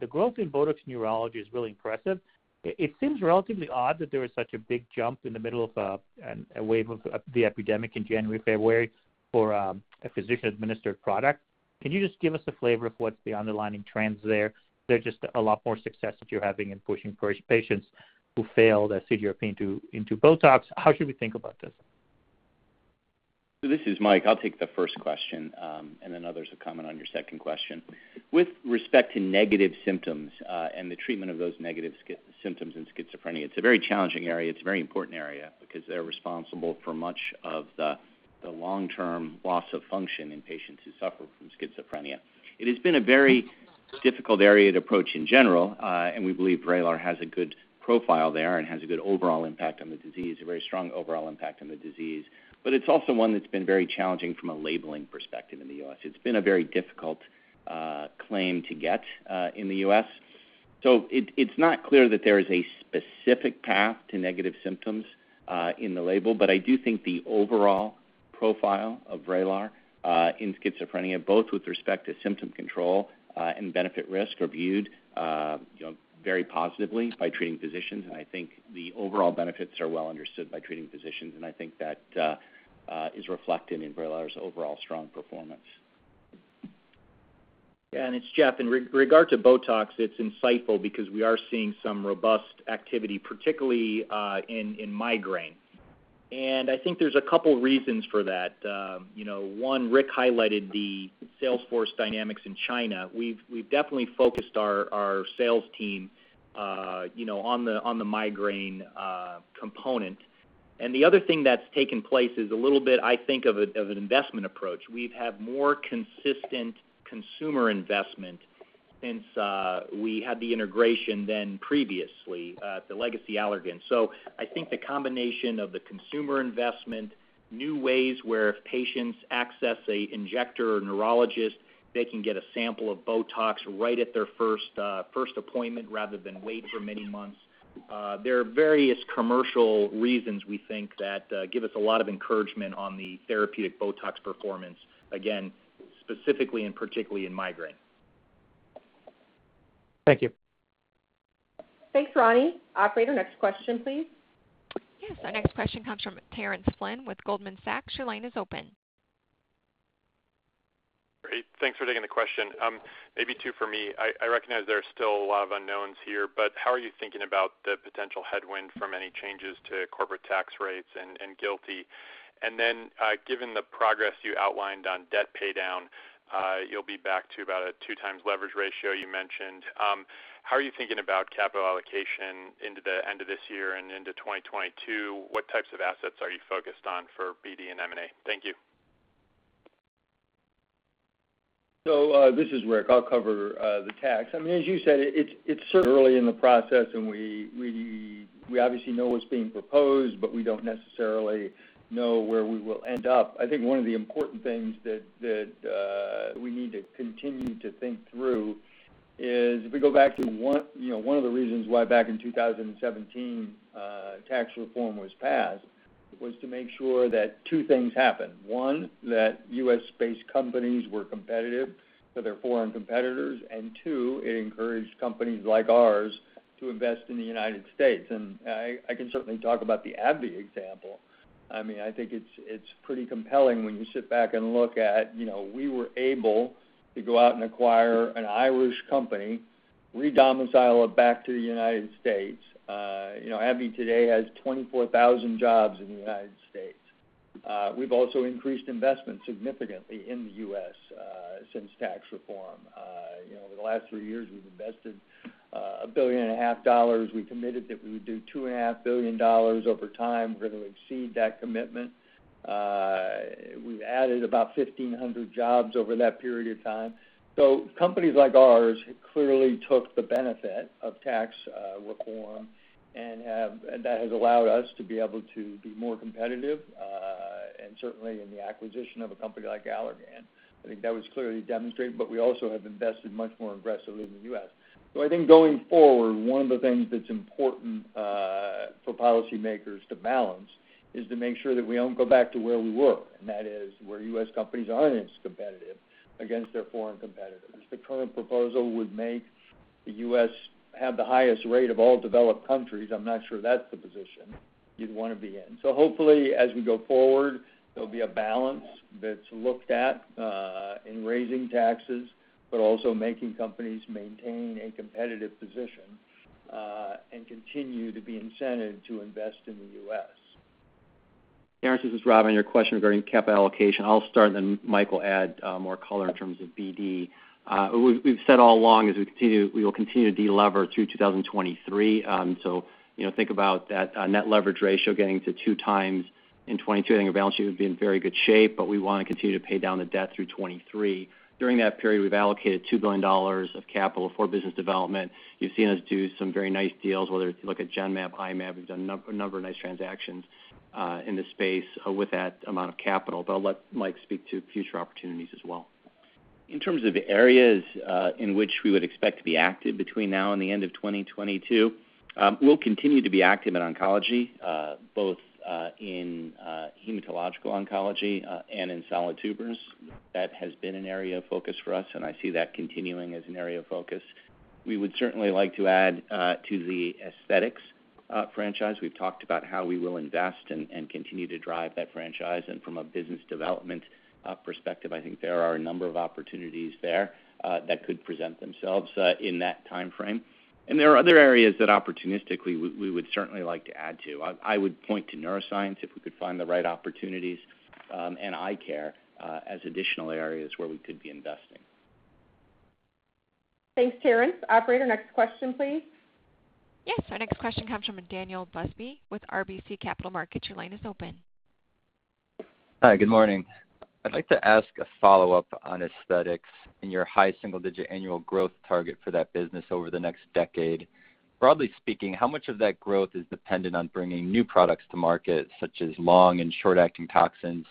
the growth in BOTOX neurology is really impressive. It seems relatively odd that there is such a big jump in the middle of a wave of the epidemic in January, February for a physician-administered product. Can you just give us a flavor of what's the underlying trends there? There are just a lot more success that you're having in pushing patients who failed as CGRP into BOTOX. How should we think about this? This is Mike. I'll take the first question, and then others will comment on your second question. With respect to negative symptoms and the treatment of those negative symptoms in schizophrenia, it's a very challenging area. It's a very important area because they're responsible for much of the long-term loss of function in patients who suffer from schizophrenia. It has been a very difficult area to approach in general, and we believe VRAYLAR has a good profile there and has a good overall impact on the disease, a very strong overall impact on the disease. It's also one that's been very challenging from a labeling perspective in the U.S. It's been a very difficult claim to get in the U.S. It's not clear that there is a specific path to negative symptoms in the label, but I do think the overall profile of VRAYLAR in schizophrenia both with respect to symptom control and benefit risk are viewed very positively by treating physicians. I think the overall benefits are well understood by treating physicians, and I think that is reflected in VRAYLAR's overall strong performance. Yeah. It's Jeff. In regard to BOTOX, it's insightful because we are seeing some robust activity, particularly in migraine. I think there's a couple reasons for that. One, Rick highlighted the sales force dynamics in China. We've definitely focused our sales team on the migraine component. The other thing that's taken place is a little bit, I think of an investment approach. We've had more consistent consumer investment since we had the integration than previously, the legacy Allergan. I think the combination of the consumer investment, new ways where if patients access a injector or neurologist, they can get a sample of BOTOX right at their first appointment rather than wait for many months. There are various commercial reasons we think that give us a lot of encouragement on the therapeutic BOTOX performance, again, specifically and particularly in migraine. Thank you. Thanks, Ronny. Operator, next question, please. Yes, our next question comes from Terence Flynn with Goldman Sachs. Your line is open. Great. Thanks for taking the question. Maybe two for me. I recognize there are still a lot of unknowns here, how are you thinking about the potential headwind from any changes to corporate tax rates and GILTI? Given the progress you outlined on debt paydown, you'll be back to about a two times leverage ratio you mentioned. How are you thinking about capital allocation into the end of this year and into 2022? What types of assets are you focused on for BD and M&A? Thank you. This is Rick. I'll cover the tax. As you said, it's certainly early in the process, and we obviously know what's being proposed, but we don't necessarily know where we will end up. I think one of the important things that. We need to continue to think through is, if we go back to one of the reasons why back in 2017 tax reform was passed, was to make sure that two things happen. One, that U.S.-based companies were competitive to their foreign competitors, and two, it encouraged companies like ours to invest in the United States. I can certainly talk about the AbbVie example. I think it's pretty compelling when you sit back and look at, we were able to go out and acquire an Irish company, redomicile it back to the United States. AbbVie today has 24,000 jobs in the United States. We've also increased investment significantly in the U.S. since tax reform. Over the last three years, we've invested a $1.5 billion. We committed that we would do $2.5 billion over time. We're going to exceed that commitment. We've added about 1,500 jobs over that period of time. Companies like ours clearly took the benefit of tax reform, and that has allowed us to be able to be more competitive, and certainly in the acquisition of a company like Allergan. I think that was clearly demonstrated. We also have invested much more aggressively in the U.S. I think going forward, one of the things that's important for policymakers to balance is to make sure that we don't go back to where we were, and that is where U.S. companies aren't as competitive against their foreign competitors. The current proposal would make the U.S. have the highest rate of all developed countries. I'm not sure that's the position you'd want to be in. Hopefully, as we go forward, there'll be a balance that's looked at in raising taxes, but also making companies maintain a competitive position, and continue to be incented to invest in the U.S. Terence, this is Rob. On your question regarding capital allocation, I'll start, then Mike will add more color in terms of BD. We've said all along, we will continue to de-lever through 2023. Think about that net leverage ratio getting to 2x in 2022. I think our balance sheet will be in very good shape, but we want to continue to pay down the debt through 2023. During that period, we've allocated $2 billion of capital for business development. You've seen us do some very nice deals, whether it's Genmab, I-Mab, we've done a number of nice transactions in this space with that amount of capital. I'll let Mike speak to future opportunities as well. In terms of areas in which we would expect to be active between now and the end of 2022, we'll continue to be active in oncology both in hematological oncology and in solid tumors. That has been an area of focus for us, and I see that continuing as an area of focus. We would certainly like to add to the Aesthetics franchise. We've talked about how we will invest and continue to drive that franchise. From a business development perspective, I think there are a number of opportunities there that could present themselves in that timeframe. There are other areas that opportunistically, we would certainly like to add to. I would point to neuroscience if we could find the right opportunities, and eye care as additional areas where we could be investing. Thanks, Terence. Operator, next question, please. Yes. Our next question comes from Daniel Busby with RBC Capital Markets. Your line is open. Hi, good morning. I'd like to ask a follow-up on Aesthetics and your high single-digit annual growth target for that business over the next decade. Broadly speaking, how much of that growth is dependent on bringing new products to market, such as long and short-acting toxins,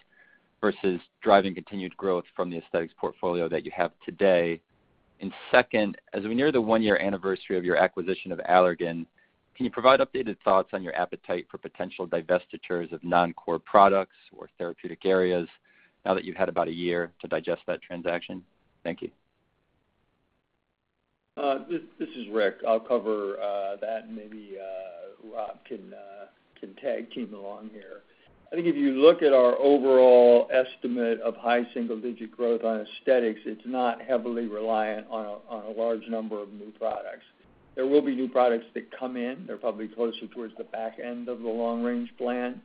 versus driving continued growth from the Aesthetics portfolio that you have today? Second, as we near the one-year anniversary of your acquisition of Allergan, can you provide updated thoughts on your appetite for potential divestitures of non-core products or therapeutic areas now that you've had about a year to digest that transaction? Thank you. This is Rick. I'll cover that and maybe Rob can tag team along here. I think if you look at our overall estimate of high single-digit growth on Aesthetics, it's not heavily reliant on a large number of new products. There will be new products that come in. They're probably closer towards the back end of the long-range plan.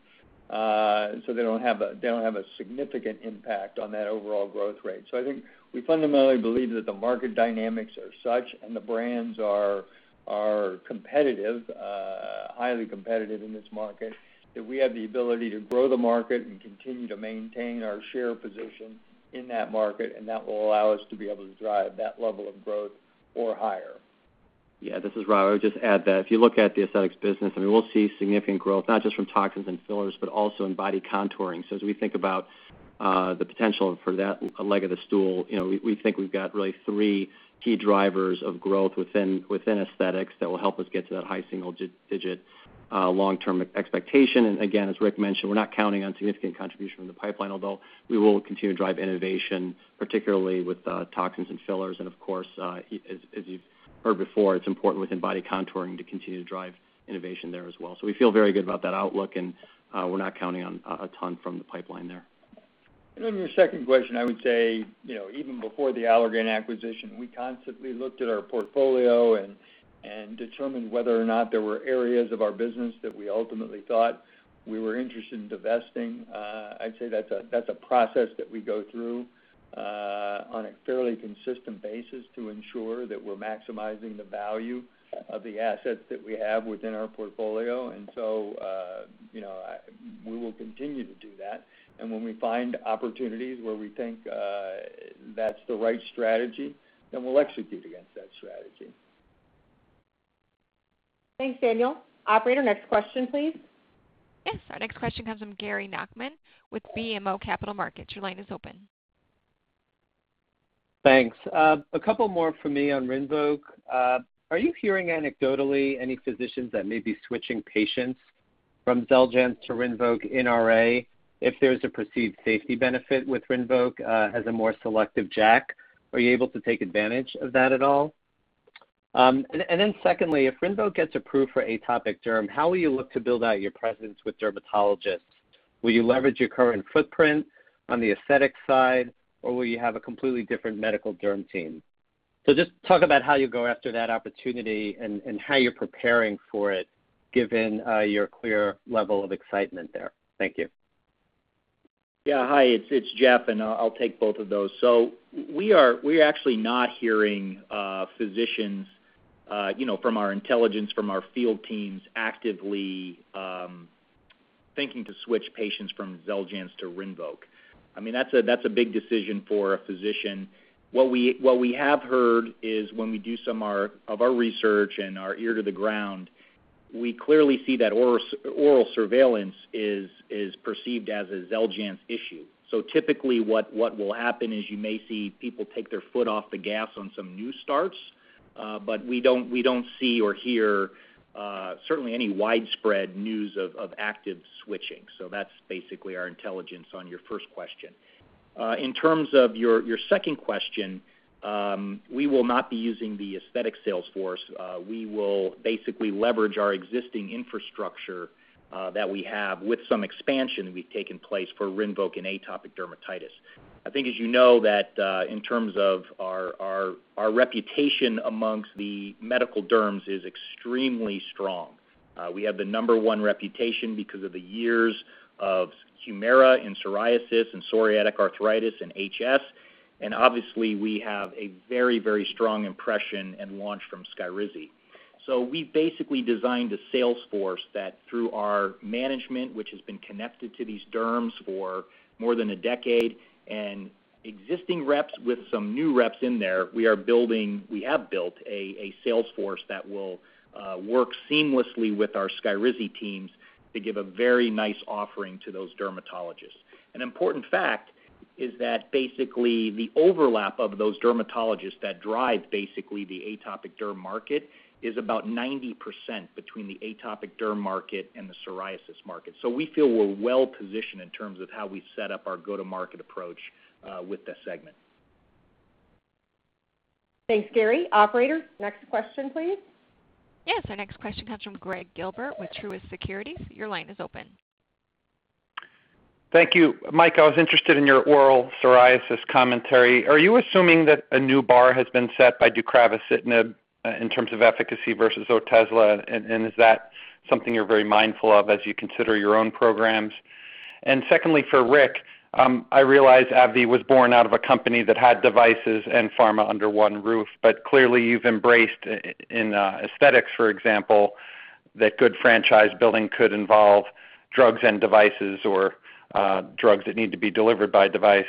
They don't have a significant impact on that overall growth rate. I think we fundamentally believe that the market dynamics are such and the brands are competitive, highly competitive in this market, that we have the ability to grow the market and continue to maintain our share position in that market, and that will allow us to be able to drive that level of growth or higher. Yeah, this is Rob. I would just add that if you look at the Aesthetics business, we will see significant growth, not just from toxins and fillers, but also in body contouring. As we think about the potential for that leg of the stool, we think we've got really three key drivers of growth within Aesthetics that will help us get to that high single-digit long-term expectation. Again, as Rick mentioned, we're not counting on significant contribution from the pipeline, although we will continue to drive innovation, particularly with toxins and fillers. Of course, as you've heard before, it's important within body contouring to continue to drive innovation there as well. We feel very good about that outlook, and we're not counting on a ton from the pipeline there. On your second question, I would say, even before the Allergan acquisition, we constantly looked at our portfolio and determined whether or not there were areas of our business that we ultimately thought we were interested in divesting. I'd say that's a process that we go through on a fairly consistent basis to ensure that we're maximizing the value of the assets that we have within our portfolio. We will continue to do that. When we find opportunities where we think that's the right strategy, then we'll execute against that strategy. Thanks, Daniel. Operator, next question, please. Yes. Our next question comes from Gary Nachman with BMO Capital Markets. Your line is open. Thanks. A couple more from me on RINVOQ. Are you hearing anecdotally any physicians that may be switching patients from XELJANZ to RINVOQ in RA if there's a perceived safety benefit with RINVOQ as a more selective JAK? Are you able to take advantage of that at all? Secondly, if RINVOQ gets approved for atopic derm, how will you look to build out your presence with dermatologists? Will you leverage your current footprint on the aesthetic side, or will you have a completely different medical derm team? Just talk about how you go after that opportunity and how you're preparing for it, given your clear level of excitement there. Thank you. Yeah. Hi, it's Jeff. I'll take both of those. We're actually not hearing physicians from our intelligence, from our field teams actively thinking to switch patients from XELJANZ to RINVOQ. That's a big decision for a physician. What we have heard is when we do some of our research and our ear to the ground, we clearly see that ORAL Surveillance is perceived as a XELJANZ issue. Typically what will happen is you may see people take their foot off the gas on some new starts. We don't see or hear certainly any widespread news of active switching. That's basically our intelligence on your first question. In terms of your second question, we will not be using the aesthetic sales force. We will basically leverage our existing infrastructure that we have with some expansion that we've taken place for RINVOQ and atopic dermatitis. I think as you know that, in terms of our reputation amongst the medical derms is extremely strong. We have the number one reputation because of the years of HUMIRA in psoriasis and psoriatic arthritis and HS, and obviously we have a very, very strong impression and launch from SKYRIZI. We basically designed a sales force that through our management, which has been connected to these derms for more than a decade, and existing reps with some new reps in there, we have built a sales force that will work seamlessly with our SKYRIZI teams to give a very nice offering to those dermatologists. An important fact is that basically the overlap of those dermatologists that drive basically the atopic derm market is about 90% between the atopic derm market and the psoriasis market. We feel we're well positioned in terms of how we've set up our go-to-market approach with that segment. Thanks, Gary. Operator, next question, please. Yes, our next question comes from Gregg Gilbert with Truist Securities. Your line is open. Thank you. Mike, I was interested in your oral psoriasis commentary. Are you assuming that a new bar has been set by deucravacitinib in terms of efficacy versus Otezla? Is that something you're very mindful of as you consider your own programs? Secondly, for Rick, I realize AbbVie was born out of a company that had devices and pharma under one roof, but clearly you've embraced in Aesthetics, for example, that good franchise building could involve drugs and devices or drugs that need to be delivered by device.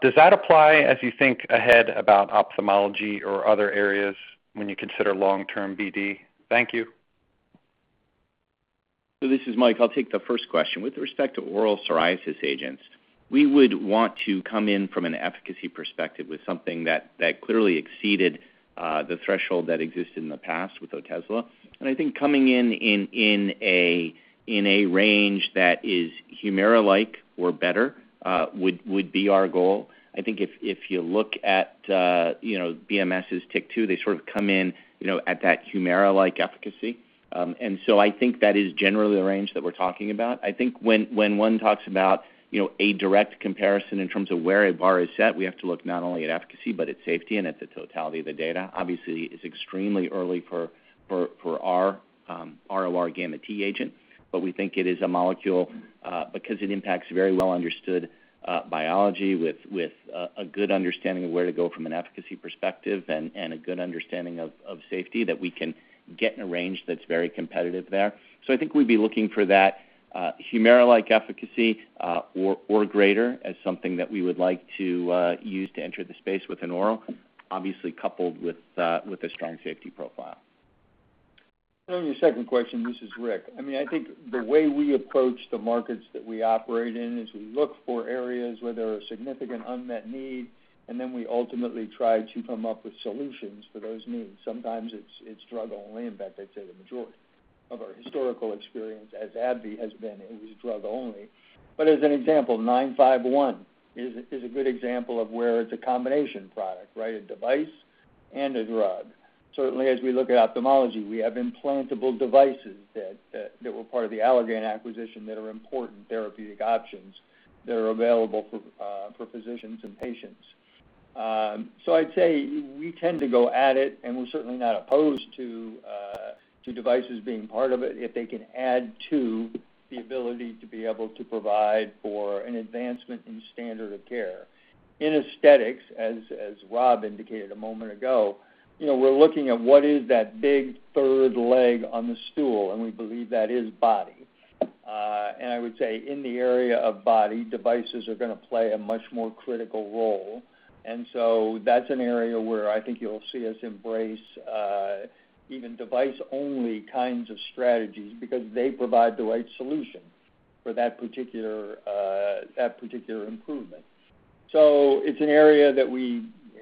Does that apply as you think ahead about ophthalmology or other areas when you consider long-term BD? Thank you. This is Mike. I'll take the first question. With respect to oral psoriasis agents, we would want to come in from an efficacy perspective with something that clearly exceeded the threshold that existed in the past with Otezla. I think coming in a range that is HUMIRA-like or better, would be our goal. I think if you look at BMS's TYK2, they sort of come in at that HUMIRA-like efficacy. I think that is generally the range that we're talking about. I think when one talks about a direct comparison in terms of where a bar is set, we have to look not only at efficacy, but at safety and at the totality of the data. Obviously, it's extremely early for our RORγt agent. We think it is a molecule, because it impacts very well understood biology with a good understanding of where to go from an efficacy perspective and a good understanding of safety that we can get in a range that's very competitive there. I think we'd be looking for that HUMIRA-like efficacy, or greater as something that we would like to use to enter the space with an oral, obviously coupled with a strong safety profile. On your second question, this is Rick. I think the way we approach the markets that we operate in is we look for areas where there are significant unmet need, and then we ultimately try to come up with solutions for those needs. Sometimes it's drug only. In fact, I'd say the majority of our historical experience as AbbVie has been it was drug only. As an example, ABBV-951 is a good example of where it's a combination product. A device and a drug. Certainly, as we look at ophthalmology, we have implantable devices that were part of the Allergan acquisition that are important therapeutic options that are available for physicians and patients. I'd say we tend to go at it, and we're certainly not opposed to devices being part of it if they can add to the ability to be able to provide for an advancement in standard of care. In Aesthetics, as Rob indicated a moment ago, we're looking at what is that big third leg on the stool, and we believe that is body I would say in the area of body, devices are going to play a much more critical role. That's an area where I think you'll see us embrace even device-only kinds of strategies because they provide the right solution for that particular improvement. It's an area that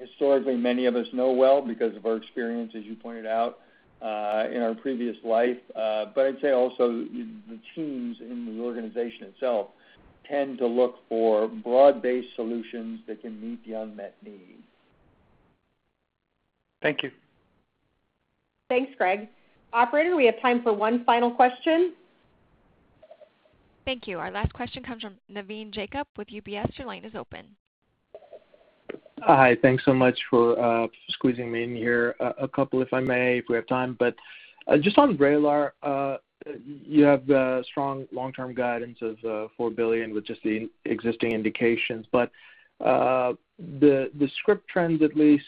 historically many of us know well because of our experience, as you pointed out, in our previous life. I'd say also the teams in the organization itself tend to look for broad-based solutions that can meet the unmet needs. Thank you. Thanks, Gregg. Operator, we have time for one final question. Thank you. Our last question comes from Navin Jacob with UBS. Your line is open. Hi. Thanks so much for squeezing me in here. A couple, if I may, if we have time, just on VRAYLAR, you have strong long-term guidance of $4 billion with just the existing indications. The script trends at least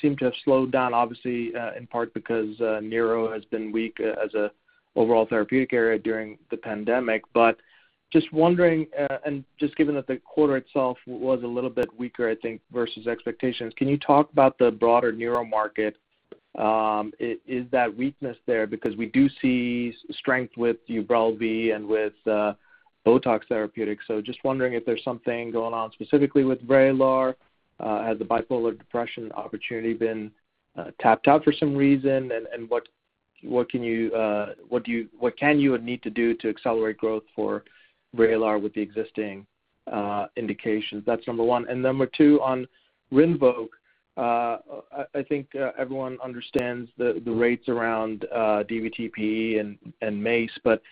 seem to have slowed down, obviously, in part because neuro has been weak as an overall therapeutic area during the pandemic. Just wondering, and just given that the quarter itself was a little bit weaker, I think, versus expectations, can you talk about the broader neuro market? Is that weakness there? We do see strength with UBRELVY and with BOTOX Therapeutic. Just wondering if there's something going on specifically with VRAYLAR. Has the bipolar depression opportunity been tapped out for some reason? What can you or need to do to accelerate growth for VRAYLAR with the existing indications? That's number one. Number two, on RINVOQ, I think everyone understands the rates around DVT/PE and MACE, but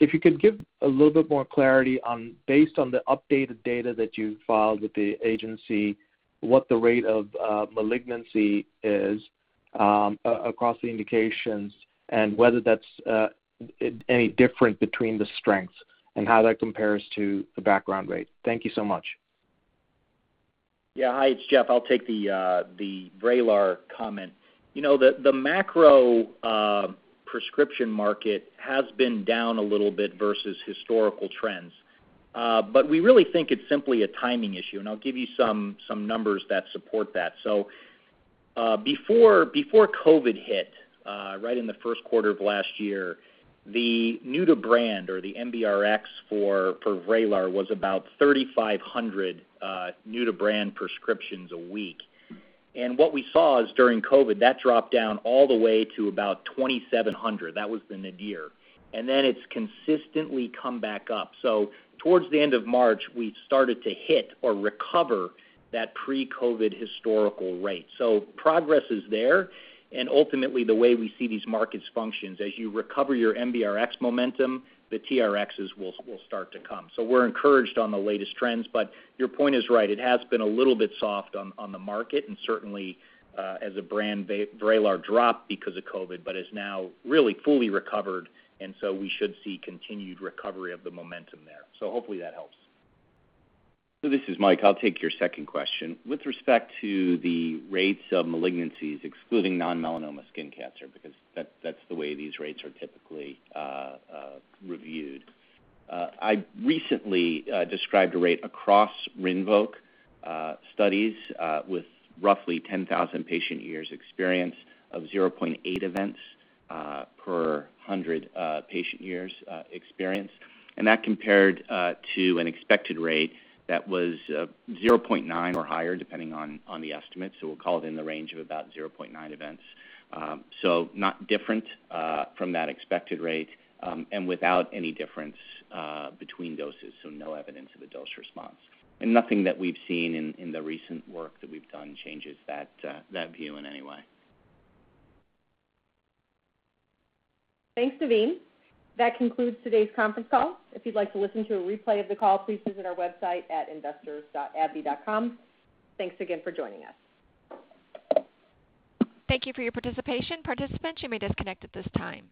if you could give a little bit more clarity based on the updated data that you filed with the agency, what the rate of malignancy is across the indications and whether that's any different between the strengths and how that compares to the background rate. Thank you so much. Yeah. Hi, it's Jeff. I'll take the VRAYLAR comment. The macro prescription market has been down a little bit versus historical trends. We really think it's simply a timing issue. I'll give you some numbers that support that. Before COVID hit, right in the first quarter of last year, the new-to-brand, or the NBRx, for VRAYLAR was about 3,500 new-to-brand prescriptions a week. What we saw is during COVID, that dropped down all the way to about 2,700. That was the nadir. Then it's consistently come back up. Towards the end of March, we started to hit or recover that pre-COVID historical rate. Progress is there. Ultimately, the way we see these markets function is as you recover your NBRx momentum, the TRx will start to come. We're encouraged on the latest trends. Your point is right. It has been a little bit soft on the market, and certainly as a brand, VRAYLAR dropped because of COVID, but is now really fully recovered, and so we should see continued recovery of the momentum there. Hopefully that helps. This is Mike. I'll take your second question. With respect to the rates of malignancies, excluding non-melanoma skin cancer, because that's the way these rates are typically reviewed. I recently described a rate across RINVOQ studies with roughly 10,000 patient years experience of 0.8 events per 100 patient years experience. That compared to an expected rate that was 0.9 or higher, depending on the estimate. We'll call it in the range of about 0.9 events. Not different from that expected rate, and without any difference between doses, so no evidence of a dose response. Nothing that we've seen in the recent work that we've done changes that view in any way. Thanks, Navin. That concludes today's conference call. If you'd like to listen to a replay of the call, please visit our website at investors.abbvie.com. Thanks again for joining us. Thank you for your participation. Participants, you may disconnect at this time.